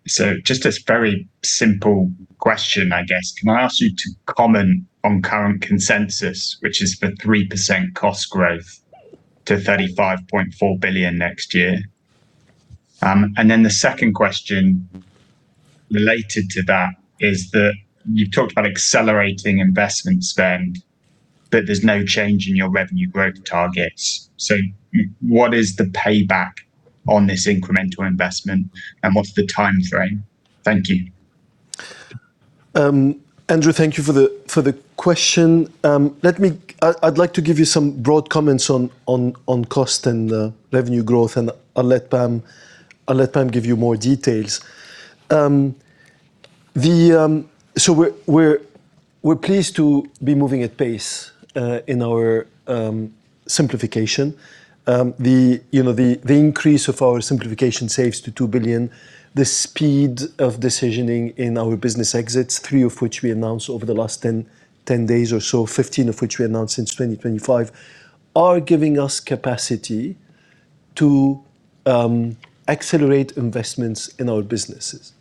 Just a very simple question, I guess. Can I ask you to comment on current consensus, which is for 3% cost growth to $35.4 billion next year? The second question related to that is that you talked about accelerating investment spend, there's no change in your revenue growth targets. What is the payback on this incremental investment, and what's the time frame? Thank you. Andrew, thank you for the question. I'd like to give you some broad comments on cost and revenue growth, and I'll let Pam give you more details. We're pleased to be moving at pace in our simplification. The increase of our simplification saves to $2 billion, the speed of decisioning in our business exits, three of which we announced over the last 10 days or so, 15 of which we announced since 2025, are giving us capacity to accelerate investments in our businesses.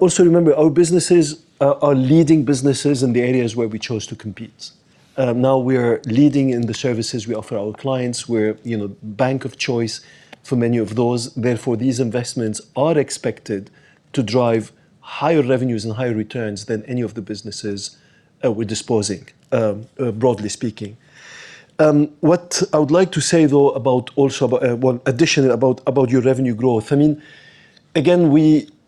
Also remember, our businesses are leading businesses in the areas where we chose to compete. Now we are leading in the services we offer our clients. We're bank of choice for many of those. Therefore, these investments are expected to drive higher revenues and higher returns than any of the businesses we're disposing, broadly speaking. What I would like to say, though, additionally about your revenue growth, again,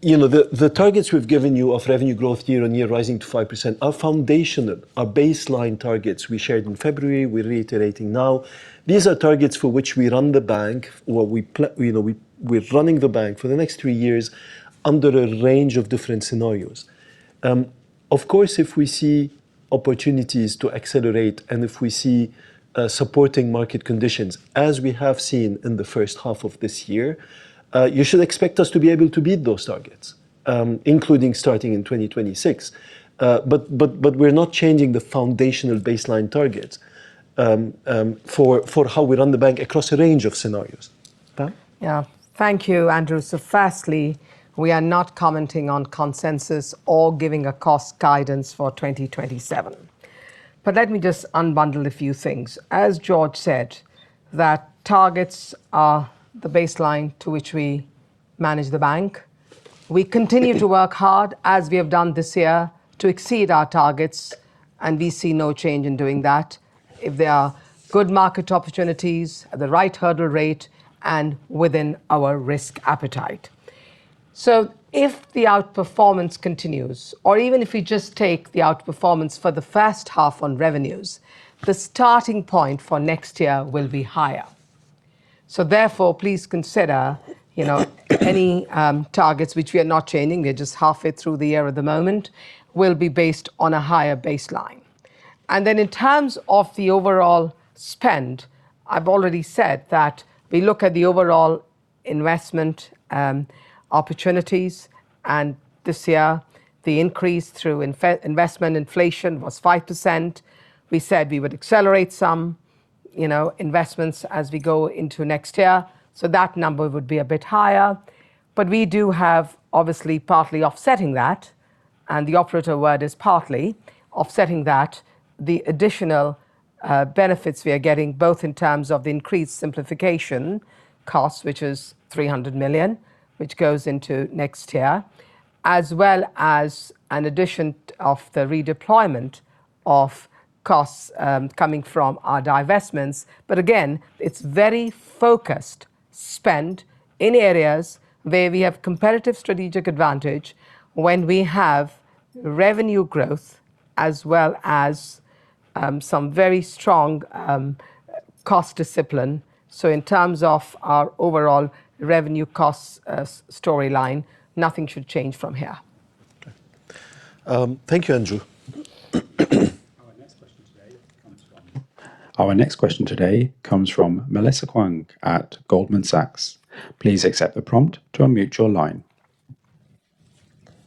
the targets we've given you of revenue growth year-over-year rising to 5% are foundational, are baseline targets we shared in February, we're reiterating now. These are targets for which we run the bank. We're running the bank for the next three years under a range of different scenarios. Of course, if we see opportunities to accelerate and if we see supporting market conditions, as we have seen in the first half of this year, you should expect us to be able to beat those targets, including starting in 2026. We're not changing the foundational baseline targets for how we run the bank across a range of scenarios. Pam? Thank you, Andrew. Firstly, we are not commenting on consensus or giving a cost guidance for 2027. Let me just unbundle a few things. As Georges said, that targets are the baseline to which we manage the bank. We continue to work hard, as we have done this year, to exceed our targets, and we see no change in doing that if there are good market opportunities at the right hurdle rate and within our risk appetite. If the outperformance continues, or even if we just take the outperformance for the first half on revenues, the starting point for next year will be higher. Therefore, please consider any targets which we are not changing, we're just halfway through the year at the moment, will be based on a higher baseline. In terms of the overall spend, I've already said that we look at the overall investment opportunities, and this year, the increase through investment inflation was 5%. We said we would accelerate some investments as we go into next year. That number would be a bit higher. We do have obviously partly offsetting that, and the operative word is partly offsetting that, the additional benefits we are getting both in terms of the increased simplification cost, which is $300 million, which goes into next year, as well as an addition of the redeployment of costs coming from our divestments. Again, it's very focused spend in areas where we have competitive strategic advantage when we have revenue growth as well as some very strong cost discipline. In terms of our overall revenue costs storyline, nothing should change from here. Okay. Thank you, Andrew. Our next question today comes from Melissa Kuang at Goldman Sachs. Please accept the prompt to unmute your line.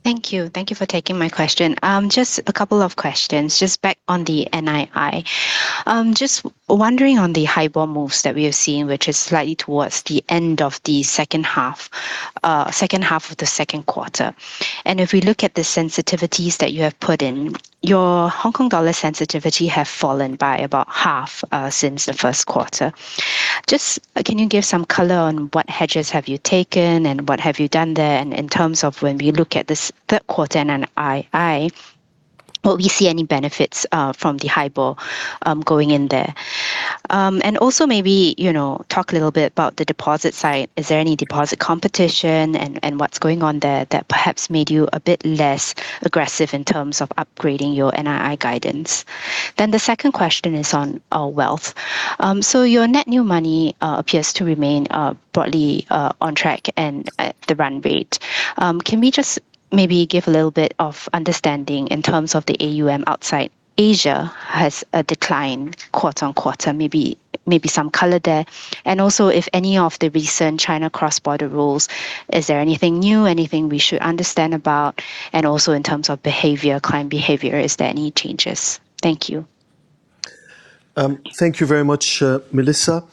Thank you. Thank you for taking my question. Just a couple of questions. Just back on the NII. Just wondering on the HIBOR moves that we have seen, which is slightly towards the end of the second half of the second quarter. If we look at the sensitivities that you have put in, your Hong Kong dollar sensitivity have fallen by about half since the first quarter. Just can you give some color on what hedges have you taken and what have you done there? In terms of when we look at this third quarter NII, will we see any benefits from the HIBOR going in there? Also maybe talk a little bit about the deposit side. Is there any deposit competition and what's going on there that perhaps made you a bit less aggressive in terms of upgrading your NII guidance? The second question is on wealth. Your net new money appears to remain broadly on track and at the run rate. Can we just maybe give a little bit of understanding in terms of the AUM outside Asia has declined quarter-on-quarter, maybe some color there. Also if any of the recent China cross-border rules, is there anything new, anything we should understand about, and also in terms of client behavior, is there any changes? Thank you. Thank you very much, Melissa.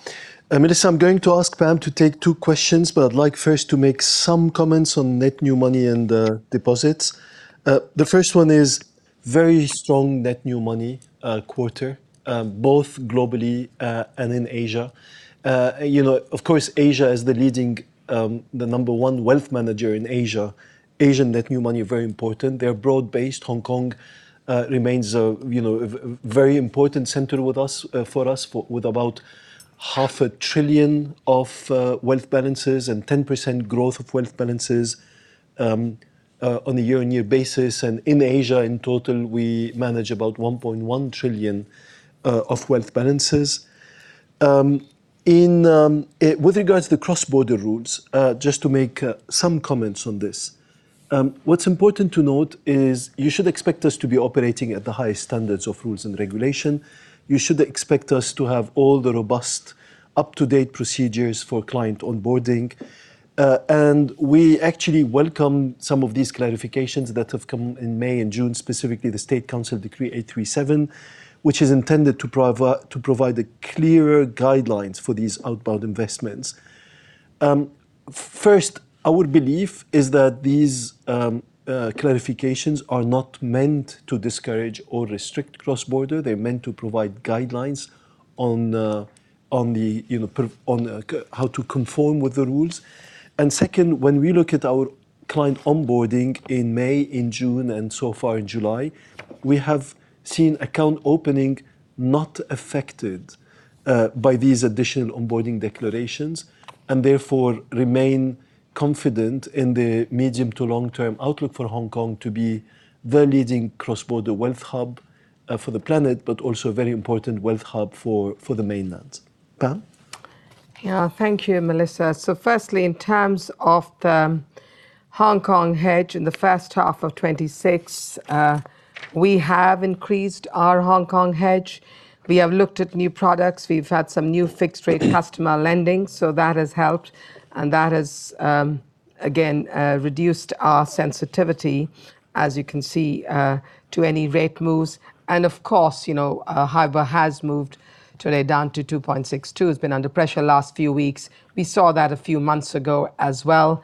Melissa, I'm going to ask Pam to take two questions, but I'd like first to make some comments on net new money and deposits. The first one is very strong net new money quarter, both globally and in Asia. Of course, Asia is the number one wealth manager in Asia. Asian net new money are very important. They are broad-based. Hong Kong remains a very important center for us, with about half a trillion of wealth balances and 10% growth of wealth balances on a year-on-year basis. In Asia in total, we manage about 1.1 trillion of wealth balances. With regards to the cross-border rules, just to make some comments on this. What's important to note is you should expect us to be operating at the highest standards of rules and regulation. You should expect us to have all the robust up-to-date procedures for client onboarding. We actually welcome some of these clarifications that have come in May and June, specifically the State Council Decree 837, which is intended to provide clearer guidelines for these outbound investments. First, our belief is that these clarifications are not meant to discourage or restrict cross-border. They're meant to provide guidelines on how to conform with the rules. Second, when we look at our client onboarding in May, in June, and so far in July, we have seen account opening not affected by these additional onboarding declarations, and therefore remain confident in the medium to long-term outlook for Hong Kong to be the leading cross-border wealth hub for the planet, but also a very important wealth hub for the mainland. Pam? Thank you, Melissa. Firstly, in terms of the Hong Kong hedge in the first half of 2026, we have increased our Hong Kong hedge. We have looked at new products. We've had some new fixed rate customer lending, that has helped, and that has, again, reduced our sensitivity, as you can see, to any rate moves. Of course, HIBOR has moved today down to 2.62, has been under pressure last few weeks. We saw that a few months ago as well.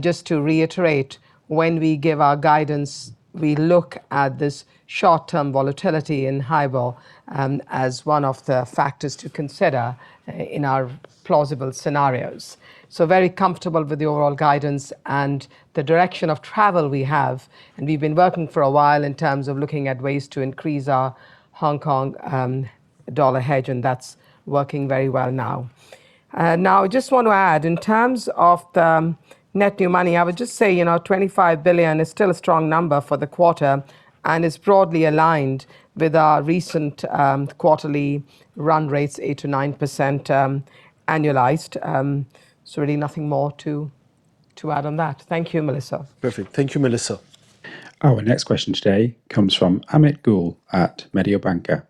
Just to reiterate, when we give our guidance, we look at this short-term volatility in HIBOR as one of the factors to consider in our plausible scenarios. Very comfortable with the overall guidance and the direction of travel we have. We've been working for a while in terms of looking at ways to increase our Hong Kong dollar hedge, and that's working very well now. I just want to add, in terms of the net new money, I would just say $25 billion is still a strong number for the quarter, and it's broadly aligned with our recent quarterly run rates, 8%-9% annualized. Really nothing more to add on that. Thank you, Melissa. Perfect. Thank you, Melissa. Our next question today comes from Amit Goel at Mediobanca.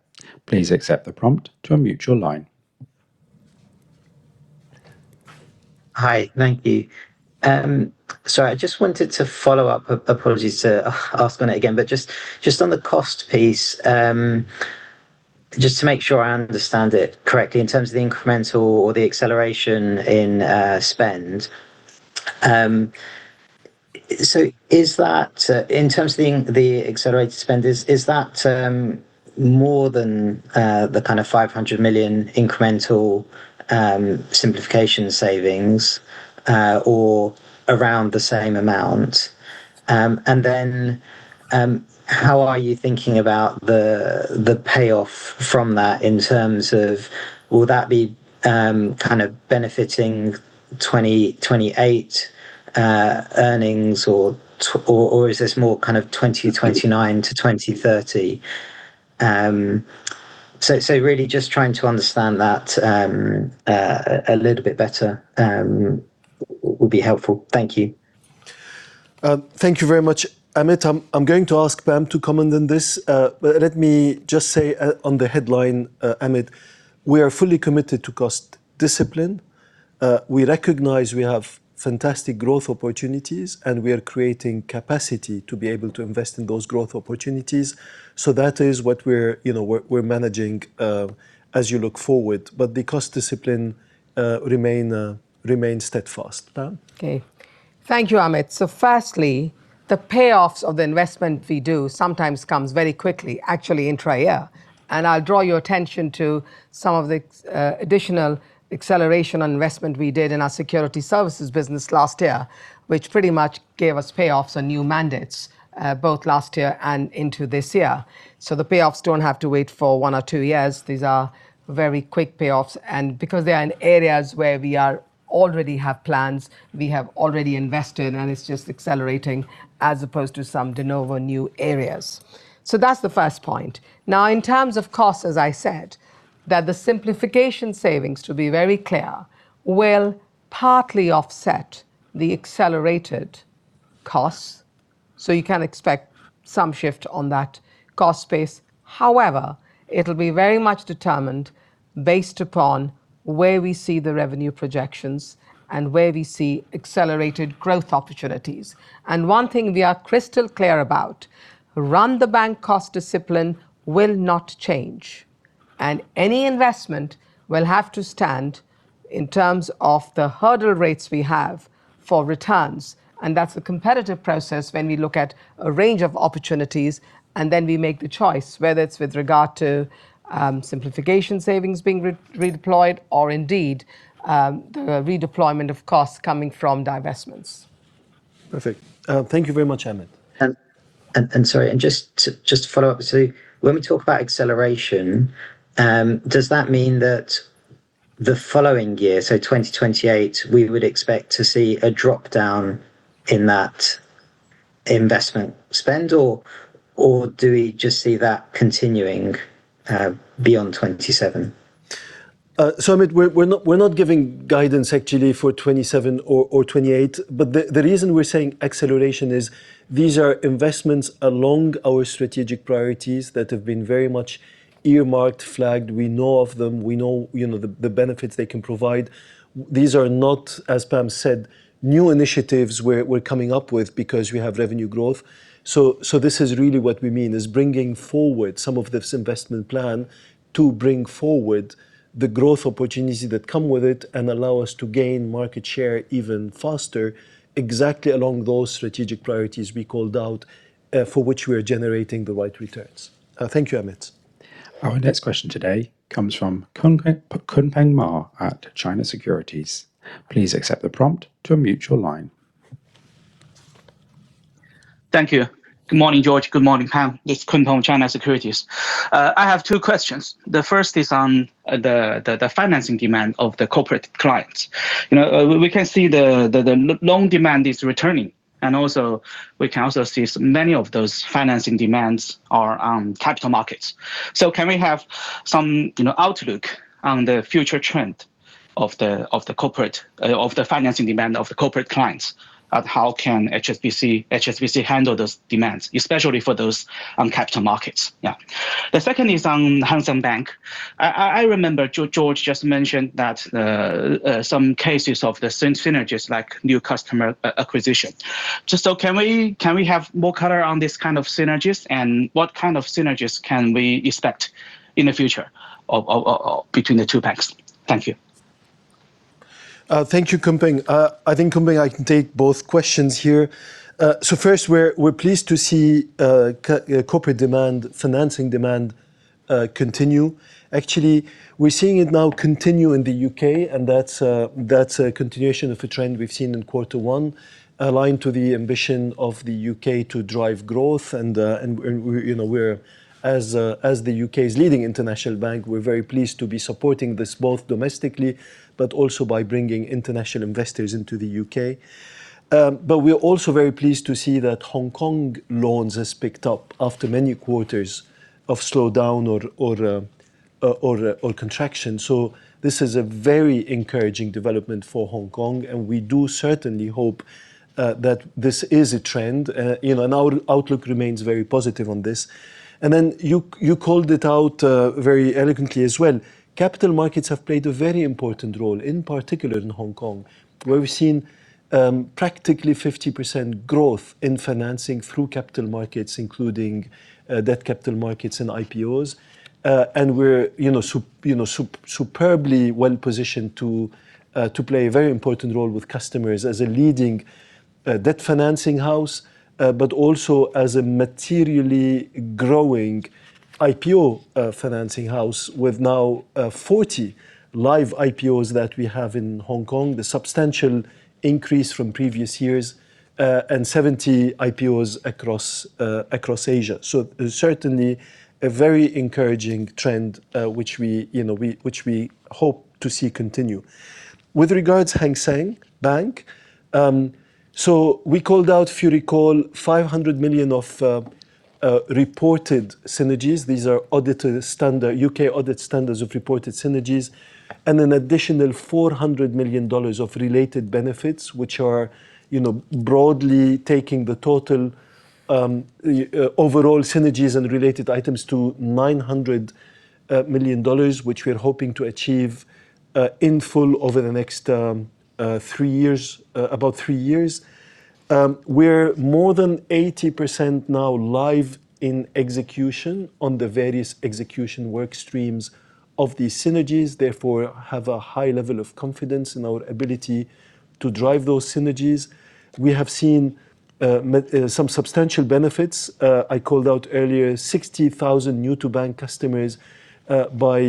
Please accept the prompt to unmute your line. Hi. Thank you. Sorry, I just wanted to follow up, apologies to ask on it again, but just on the cost piece, just to make sure I understand it correctly in terms of the incremental or the acceleration in spend. In terms of the accelerated spend, is that more than the kind of $500 million incremental simplification savings, or around the same amount? How are you thinking about the payoff from that in terms of will that be benefiting 2028 earnings, or is this more 2029 to 2030? Really just trying to understand that a little bit better would be helpful. Thank you. Thank you very much, Amit. I'm going to ask Pam to comment on this, but let me just say on the headline, Amit, we are fully committed to cost discipline. We recognize we have fantastic growth opportunities, and we are creating capacity to be able to invest in those growth opportunities. That is what we're managing as you look forward. The cost discipline remains steadfast. Pam? Okay. Thank you, Amit. Firstly, the payoffs of the investment we do sometimes comes very quickly, actually intra-year. I'll draw your attention to some of the additional acceleration on investment we did in our security services business last year, which pretty much gave us payoffs on new mandates, both last year and into this year. The payoffs don't have to wait for one or two years. These are very quick payoffs. Because they are in areas where we already have plans, we have already invested, and it's just accelerating as opposed to some de novo new areas. That's the first point. Now, in terms of costs, as I said, that the simplification savings, to be very clear, will partly offset the accelerated costs. You can expect some shift on that cost space. However, it'll be very much determined based upon where we see the revenue projections and where we see accelerated growth opportunities. One thing we are crystal clear about, Run the Bank cost discipline will not change, and any investment will have to stand in terms of the hurdle rates we have for returns, and that's a competitive process when we look at a range of opportunities and then we make the choice, whether it's with regard to simplification savings being redeployed or indeed, the redeployment of costs coming from divestments. Perfect. Thank you very much, Amit. Sorry, just to follow up. When we talk about acceleration, does that mean that the following year, 2028, we would expect to see a drop-down in that investment spend, or do we just see that continuing beyond 2027? Amit, we're not giving guidance actually for 2027 or 2028, the reason we're saying acceleration is these are investments along our strategic priorities that have been very much earmarked, flagged. We know of them. We know the benefits they can provide. These are not, as Pam said, new initiatives we're coming up with because we have revenue growth. This is really what we mean is bringing forward some of this investment plan to bring forward the growth opportunities that come with it and allow us to gain market share even faster, exactly along those strategic priorities we called out, for which we are generating the right returns. Thank you, Amit. Our next question today comes from Kunpeng Ma at China Securities. Please accept the prompt to unmute your line. Thank you. Good morning, Georges. Good morning, Pam. It's Kunpeng, China Securities. I have two questions. The first is on the financing demand of the corporate clients. We can see the loan demand is returning, and also we can also see many of those financing demands are on capital markets. Can we have some outlook on the future trend of the financing demand of the corporate clients? How can HSBC handle those demands, especially for those on capital markets? The second is on Hang Seng Bank. I remember Georges just mentioned some cases of the synergies, like new customer acquisition. Can we have more color on these kind of synergies, and what kind of synergies can we expect in the future between the two banks? Thank you. Thank you, Kunpeng. I think, Kunpeng, I can take both questions here. First, we're pleased to see corporate demand, financing demand continue. Actually, we're seeing it now continue in the U.K., and that's a continuation of a trend we've seen in quarter one, aligned to the ambition of the U.K. to drive growth. As the U.K.'s leading international bank, we're very pleased to be supporting this both domestically but also by bringing international investors into the U.K. We are also very pleased to see that Hong Kong loans has picked up after many quarters of slowdown or contraction. This is a very encouraging development for Hong Kong, and we do certainly hope that this is a trend. Our outlook remains very positive on this. Then you called it out very elegantly as well. Capital markets have played a very important role, in particular in Hong Kong, where we've seen practically 50% growth in financing through capital markets, including debt capital markets and IPOs. We're superbly well-positioned to play a very important role with customers as a leading debt financing house, but also as a materially growing IPO financing house with now 40 live IPOs that we have in Hong Kong, the substantial increase from previous years, and 70 IPOs across Asia. Certainly, a very encouraging trend which we hope to see continue. With regards Hang Seng Bank. We called out, if you recall, $500 million of reported synergies. These are U.K. audit standards of reported synergies, and an additional $400 million of related benefits, which are broadly taking the total overall synergies and related items to $900 million, which we are hoping to achieve in full over the next about three years. We're more than 80% now live in execution on the various execution work streams of these synergies, therefore, have a high level of confidence in our ability to drive those synergies. We have seen some substantial benefits. I called out earlier 60,000 new-to-bank customers by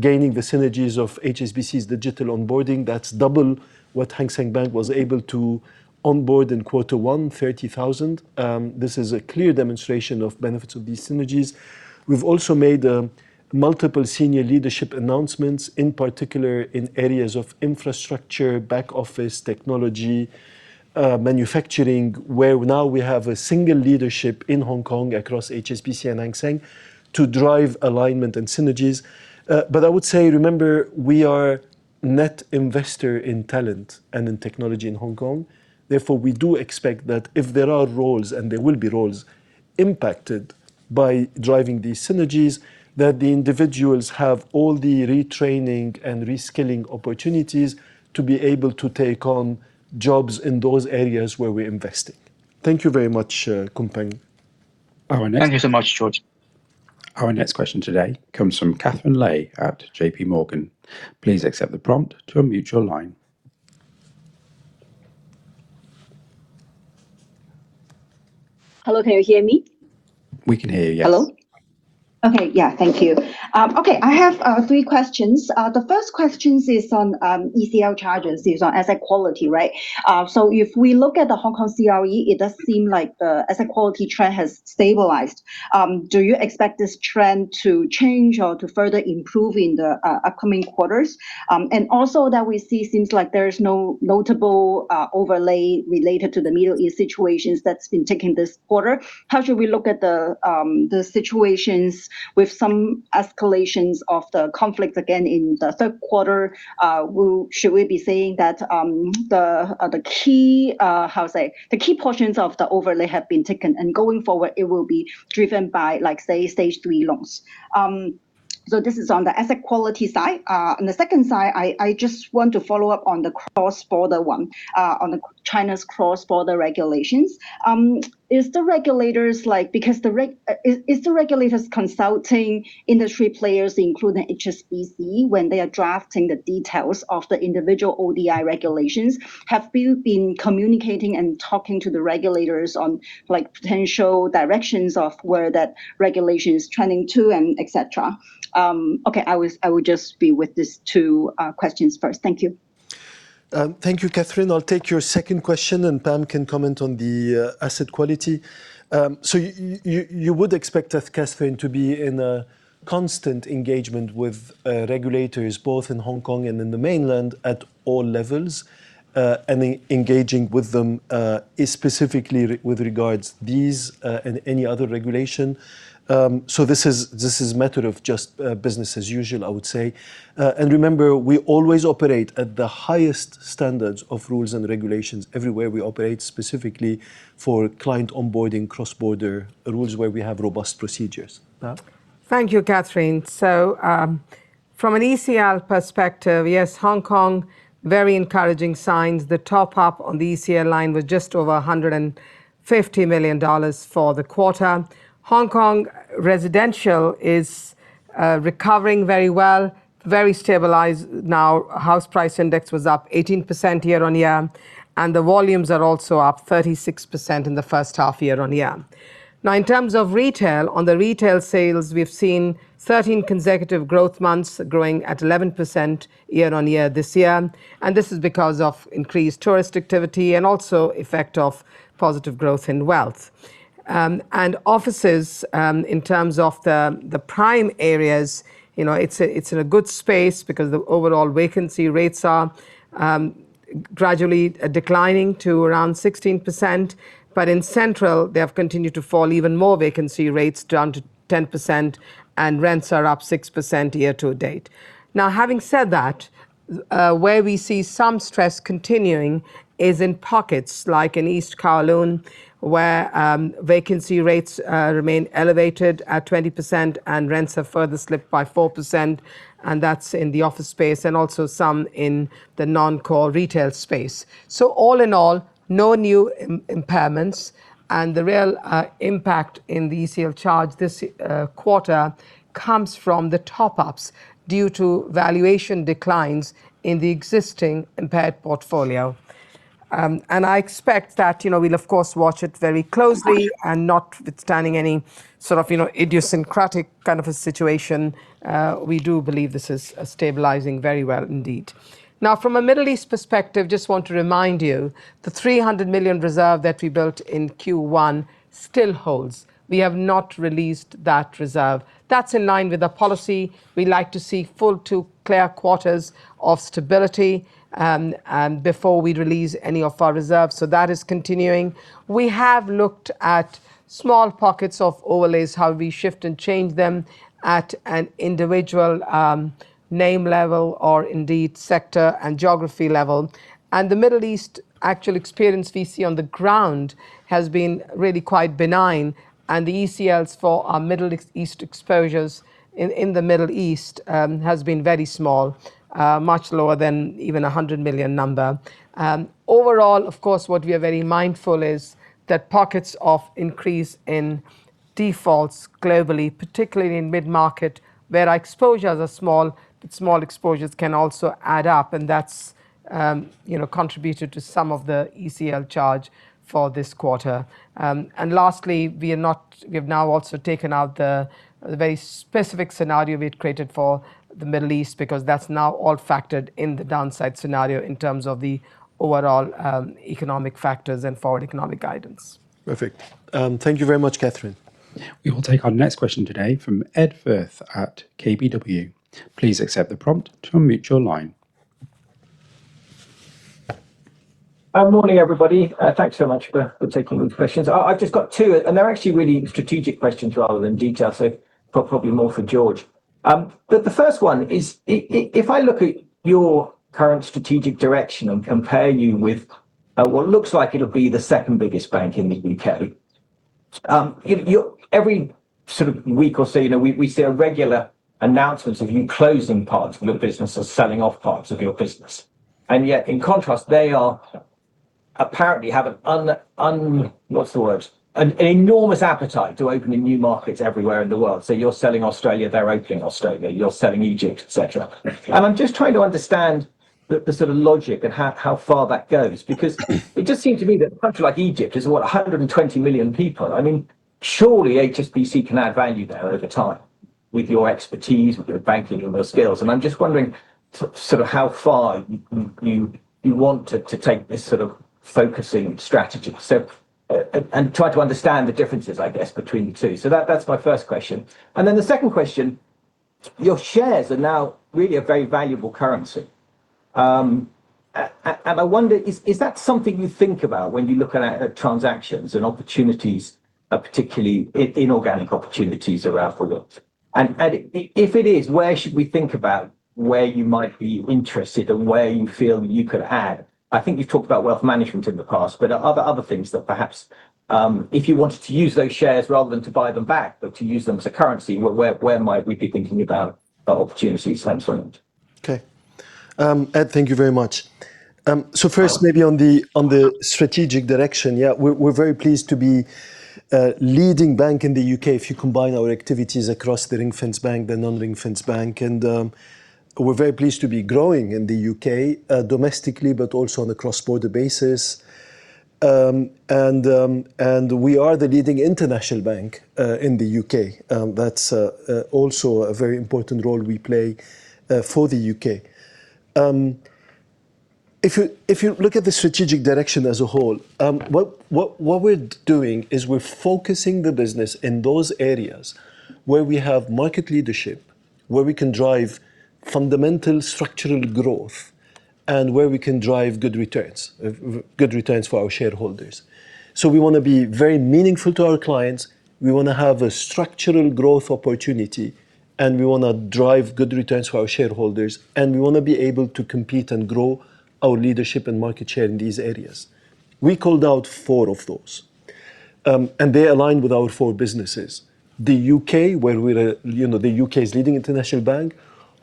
gaining the synergies of HSBC's digital onboarding. That's double what Hang Seng Bank was able to onboard in quarter one, 30,000. This is a clear demonstration of benefits of these synergies. We've also made multiple senior leadership announcements, in particular in areas of infrastructure, back office, technology, manufacturing, where now we have a single leadership in Hong Kong across HSBC and Hang Seng to drive alignment and synergies. I would say, remember, we are net investor in talent and in technology in Hong Kong. Therefore, we do expect that if there are roles, and there will be roles impacted by driving these synergies, that the individuals have all the retraining and reskilling opportunities to be able to take on jobs in those areas where we are investing. Thank you very much, Kunpeng. Thank you so much, Georges. Our next question today comes from Katherine Lei at JPMorgan. Please accept the prompt to unmute your line. Hello, can you hear me? We can hear you, yes. Hello. Okay. Yeah. Thank you. Okay. I have three questions. The first question is on ECL charges, is on asset quality, right? If we look at the Hong Kong CRE, it does seem like the asset quality trend has stabilized. Do you expect this trend to change or to further improve in the upcoming quarters? Also that we see seems like there is no notable overlay related to the Middle East situations that's been taken this quarter. How should we look at the situations with some escalations of the conflicts again in the third quarter? Should we be saying that the key portions of the overlay have been taken, and going forward it will be driven by, say, stage 3 loans? This is on the asset quality side. On the second side, I just want to follow up on the China's cross-border regulations. Is the regulators consulting industry players, including HSBC, when they are drafting the details of the individual ODI regulations? Have you been communicating and talking to the regulators on potential directions of where that regulation is trending to and et cetera? Okay, I will just be with these two questions first. Thank you. Thank you, Katherine. I'll take your second question, and Pam can comment on the asset quality. You would expect us, Katherine, to be in a constant engagement with regulators both in Hong Kong and in the mainland at all levels. Engaging with them is specifically with regards these and any other regulation. This is matter of just business as usual, I would say. Remember, we always operate at the highest standards of rules and regulations everywhere we operate, specifically for client onboarding, cross-border rules where we have robust procedures. Pam? Thank you, Katherine. From an ECL perspective, yes, Hong Kong, very encouraging signs. The top-up on the ECL line was just over $150 million for the quarter. Hong Kong residential is recovering very well, very stabilized now. House price index was up 18% year-on-year, and the volumes are also up 36% in the first half year-on-year. In terms of retail, on the retail sales, we've seen 13 consecutive growth months growing at 11% year-on-year this year. This is because of increased tourist activity and also effect of positive growth in wealth. Offices, in terms of the prime areas, it's in a good space because the overall vacancy rates are gradually declining to around 16%. In Central, they have continued to fall even more vacancy rates down to 10%, and rents are up 6% year to date. Having said that, where we see some stress continuing is in pockets like in East Kowloon, where vacancy rates remain elevated at 20% and rents have further slipped by 4%, and that's in the office space and also some in the non-core retail space. All in all, no new impairments, and the real impact in the ECL charge this quarter comes from the top-ups due to valuation declines in the existing impaired portfolio. I expect that we'll of course watch it very closely and notwithstanding any sort of idiosyncratic kind of a situation, we do believe this is stabilizing very well indeed. From a Middle East perspective, just want to remind you, the $300 million reserve that we built in Q1 still holds. We have not released that reserve. That's in line with the policy. We like to see full two clear quarters of stability before we release any of our reserves. That is continuing. We have looked at small pockets of overlays, how we shift and change them at an individual name level or indeed sector and geography level. The Middle East actual experience we see on the ground has been really quite benign, and the ECLs for our Middle East exposures in the Middle East has been very small, much lower than even $100 million number. Overall, of course, what we are very mindful is that pockets of increase in defaults globally, particularly in mid-market where our exposures are small, but small exposures can also add up, and that's contributed to some of the ECL charge for this quarter. Lastly, we have now also taken out the very specific scenario we had created for the Middle East because that's now all factored in the downside scenario in terms of the overall economic factors and forward economic guidance. Perfect. Thank you very much, Katherine. We will take our next question today from Ed Firth at KBW. Please accept the prompt to unmute your line. Morning, everybody. Thanks so much for taking the questions. I've just got two, they're actually really strategic questions rather than detailed, so probably more for Georges. The first one is, if I look at your current strategic direction and compare you with what looks like it'll be the second biggest bank in the U.K. Every sort of week or so, we see a regular announcement of you closing parts of your business or selling off parts of your business. Yet, in contrast, they apparently have an, what's the word? An enormous appetite to open in new markets everywhere in the world. So you're selling Australia, they're opening Australia, you're selling Egypt, et cetera. I'm just trying to understand the sort of logic and how far that goes, because it just seems to me that a country like Egypt is, what, 120 million people. Surely HSBC can add value there over time with your expertise, with your banking, and your skills. I'm just wondering how far you want to take this sort of focusing strategy, and try to understand the differences, I guess, between the two. That's my first question. Then the second question, your shares are now really a very valuable currency. I wonder, is that something you think about when you're looking at transactions and opportunities, particularly inorganic opportunities around the world? If it is, where should we think about where you might be interested and where you feel you could add? I think you've talked about wealth management in the past, but are other things that perhaps, if you wanted to use those shares rather than to buy them back, but to use them as a currency, where might we be thinking about opportunities henceforward? Okay. Ed, thank you very much. First, maybe on the strategic direction. Yeah, we're very pleased to be a leading bank in the U.K. if you combine our activities across the ring-fenced bank, the non-ring-fenced bank. We're very pleased to be growing in the U.K. domestically, but also on a cross-border basis. We are the leading international bank in the U.K. That's also a very important role we play for the U.K. If you look at the strategic direction as a whole, what we're doing is we're focusing the business in those areas where we have market leadership, where we can drive fundamental structural growth, and where we can drive good returns for our shareholders. We want to be very meaningful to our clients, we want to have a structural growth opportunity, we want to drive good returns for our shareholders, we want to be able to compete and grow our leadership and market share in these areas. We called out four of those, they align with our four businesses. The U.K., where we're the U.K.'s leading international bank.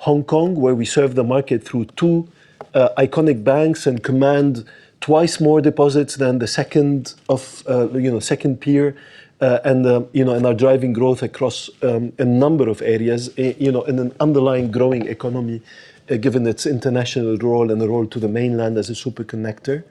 Hong Kong, where we serve the market through two iconic banks and command twice more deposits than the second peer, are driving growth across a number of areas in an underlying growing economy, given its international role and the role to the mainland as a super connector.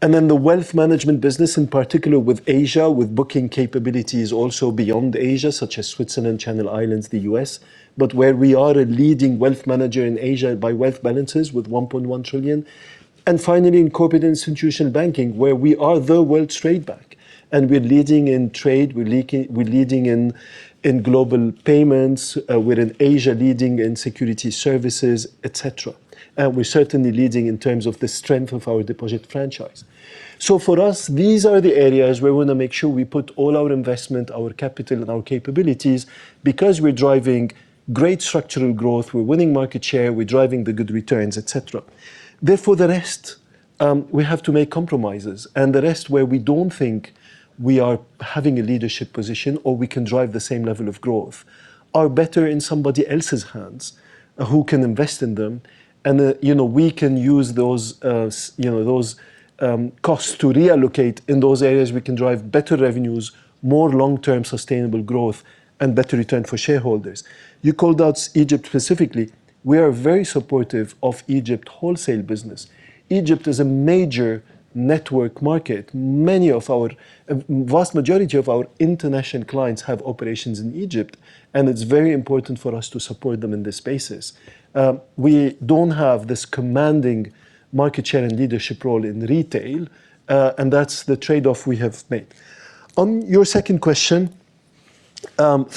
The wealth management business, in particular with Asia, with booking capabilities also beyond Asia, such as Switzerland, Channel Islands, the U.S., but where we are a leading wealth manager in Asia by wealth balances with $1.1 trillion. Finally, in Corporate and Institutional Banking, where we are the world's trade bank, we're leading in trade, we're leading in global payments, we're in Asia leading in security services, et cetera. We're certainly leading in terms of the strength of our deposit franchise. For us, these are the areas where we want to make sure we put all our investment, our capital, our capabilities because we're driving great structural growth, we're winning market share, we're driving the good returns, et cetera. Therefore, the rest, we have to make compromises, the rest where we don't think we are having a leadership position or we can drive the same level of growth are better in somebody else's hands who can invest in them. We can use those costs to reallocate in those areas, we can drive better revenues, more long-term sustainable growth, better return for shareholders. You called out Egypt specifically. We are very supportive of Egypt wholesale business. Egypt is a major network market. Vast majority of our international clients have operations in Egypt, it's very important for us to support them in this spaces. We don't have this commanding market share and leadership role in retail, that's the trade-off we have made. On your second question,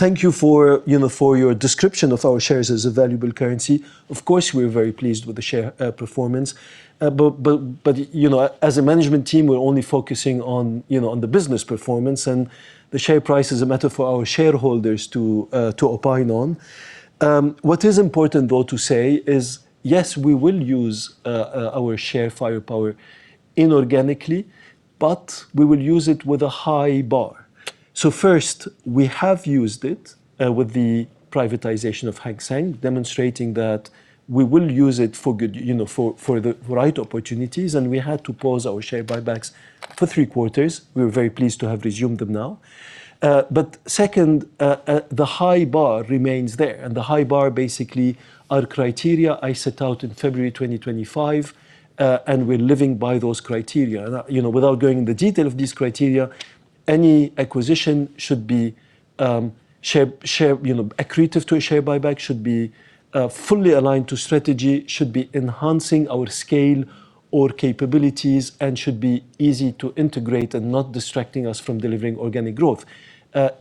thank you for your description of our shares as a valuable currency. Of course, we're very pleased with the share performance. As a management team, we're only focusing on the business performance, and the share price is a matter for our shareholders to opine on. What is important though to say is, yes, we will use our share firepower inorganically, but we will use it with a high bar. First, we have used it with the privatization of Hang Seng, demonstrating that we will use it for the right opportunities, and we had to pause our share buybacks for three quarters. We're very pleased to have resumed them now. Second, the high bar remains there, and the high bar basically are criteria I set out in February 2025, and we're living by those criteria. Without going in the detail of these criteria, any acquisition should be accretive to a share buyback, should be fully aligned to strategy, should be enhancing our scale or capabilities, and should be easy to integrate and not distracting us from delivering organic growth.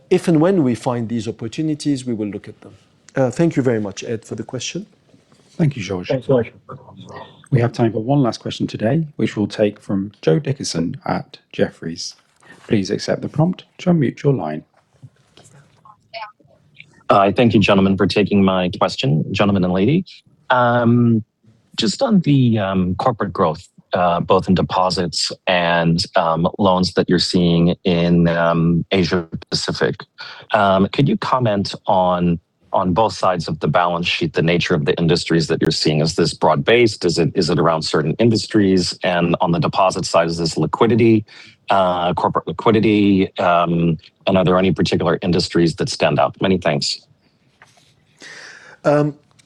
If and when we find these opportunities, we will look at them. Thank you very much, Ed, for the question. Thank you, Georges. Thanks, Georges. We have time for one last question today, which we'll take from Joe Dickerson at Jefferies. Please accept the prompt to unmute your line. Thank you, gentlemen, for taking my question, gentlemen and lady. Just on the corporate growth, both in deposits and loans that you're seeing in Asia Pacific. Could you comment on both sides of the balance sheet, the nature of the industries that you're seeing? Is this broad-based? Is it around certain industries? On the deposit side, is this liquidity, corporate liquidity? Are there any particular industries that stand out? Many thanks.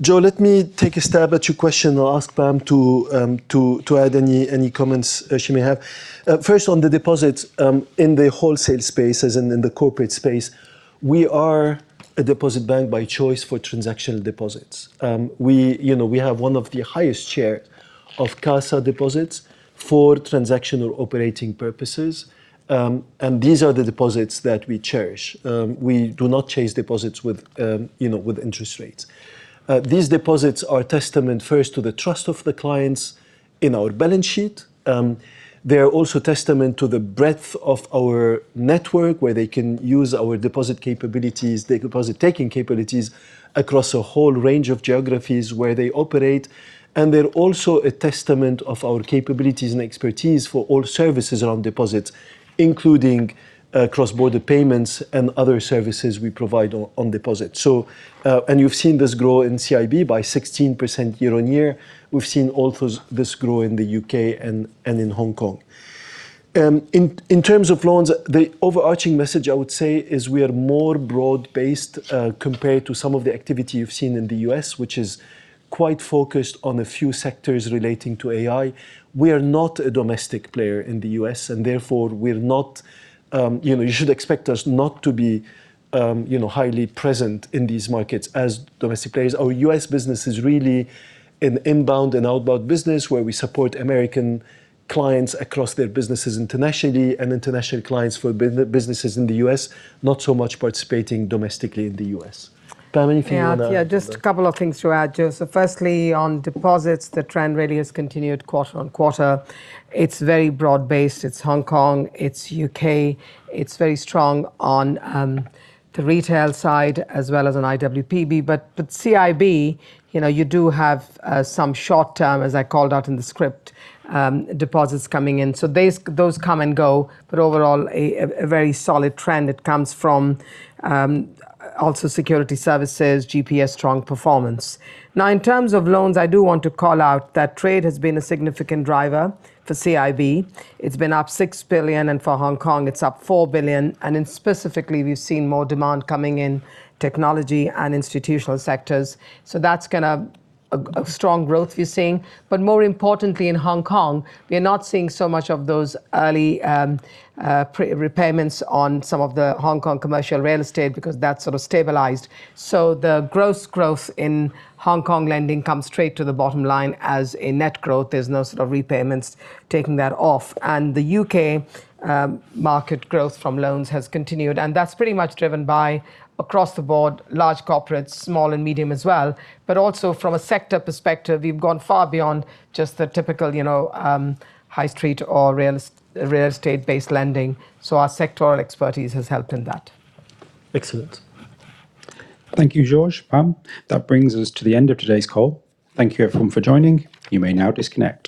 Joe, let me take a stab at your question and I'll ask Pam to add any comments she may have. First, on the deposits, in the wholesale space as in the corporate space, we are a deposit bank by choice for transactional deposits. We have one of the highest share of CASA deposits for transactional operating purposes, these are the deposits that we cherish. We do not chase deposits with interest rates. These deposits are a testament first to the trust of the clients in our balance sheet. They're also testament to the breadth of our network, where they can use our deposit capabilities, the deposit-taking capabilities across a whole range of geographies where they operate. They're also a testament of our capabilities and expertise for all services around deposits, including cross-border payments and other services we provide on deposit. You've seen this grow in CIB by 16% year-on-year. We've seen also this grow in the U.K. and in Hong Kong. In terms of loans, the overarching message I would say is we are more broad-based, compared to some of the activity you've seen in the U.S., which is quite focused on a few sectors relating to AI. We are not a domestic player in the U.S. and therefore you should expect us not to be highly present in these markets as domestic players. Our U.S. business is really an inbound and outbound business where we support American clients across their businesses internationally and international clients for businesses in the U.S., not so much participating domestically in the U.S. Pam, anything you want to? Just a couple of things to add, Joe. Firstly, on deposits, the trend really has continued quarter-on-quarter. It's very broad-based. It's Hong Kong, it's U.K. It's very strong on the retail side as well as on IWPB. CIB, you do have some short-term, as I called out in the script, deposits coming in. Those come and go, but overall, a very solid trend that comes from also security services, GPS strong performance. In terms of loans, I do want to call out that trade has been a significant driver for CIB. It's been up $6 billion, and for Hong Kong it's up $4 billion, and specifically, we've seen more demand coming in technology and institutional sectors. That's a strong growth we're seeing. More importantly, in Hong Kong, we are not seeing so much of those early repayments on some of the Hong Kong commercial real estate because that's sort of stabilized. The gross growth in Hong Kong lending comes straight to the bottom line as a net growth. There's no sort of repayments taking that off. The U.K. market growth from loans has continued, and that's pretty much driven by, across the board, large corporates, small and medium as well, but also from a sector perspective, we've gone far beyond just the typical high street or real estate-based lending. Our sectoral expertise has helped in that. Excellent. Thank you, Georges, Pam. That brings us to the end of today's call. Thank you everyone for joining. You may now disconnect.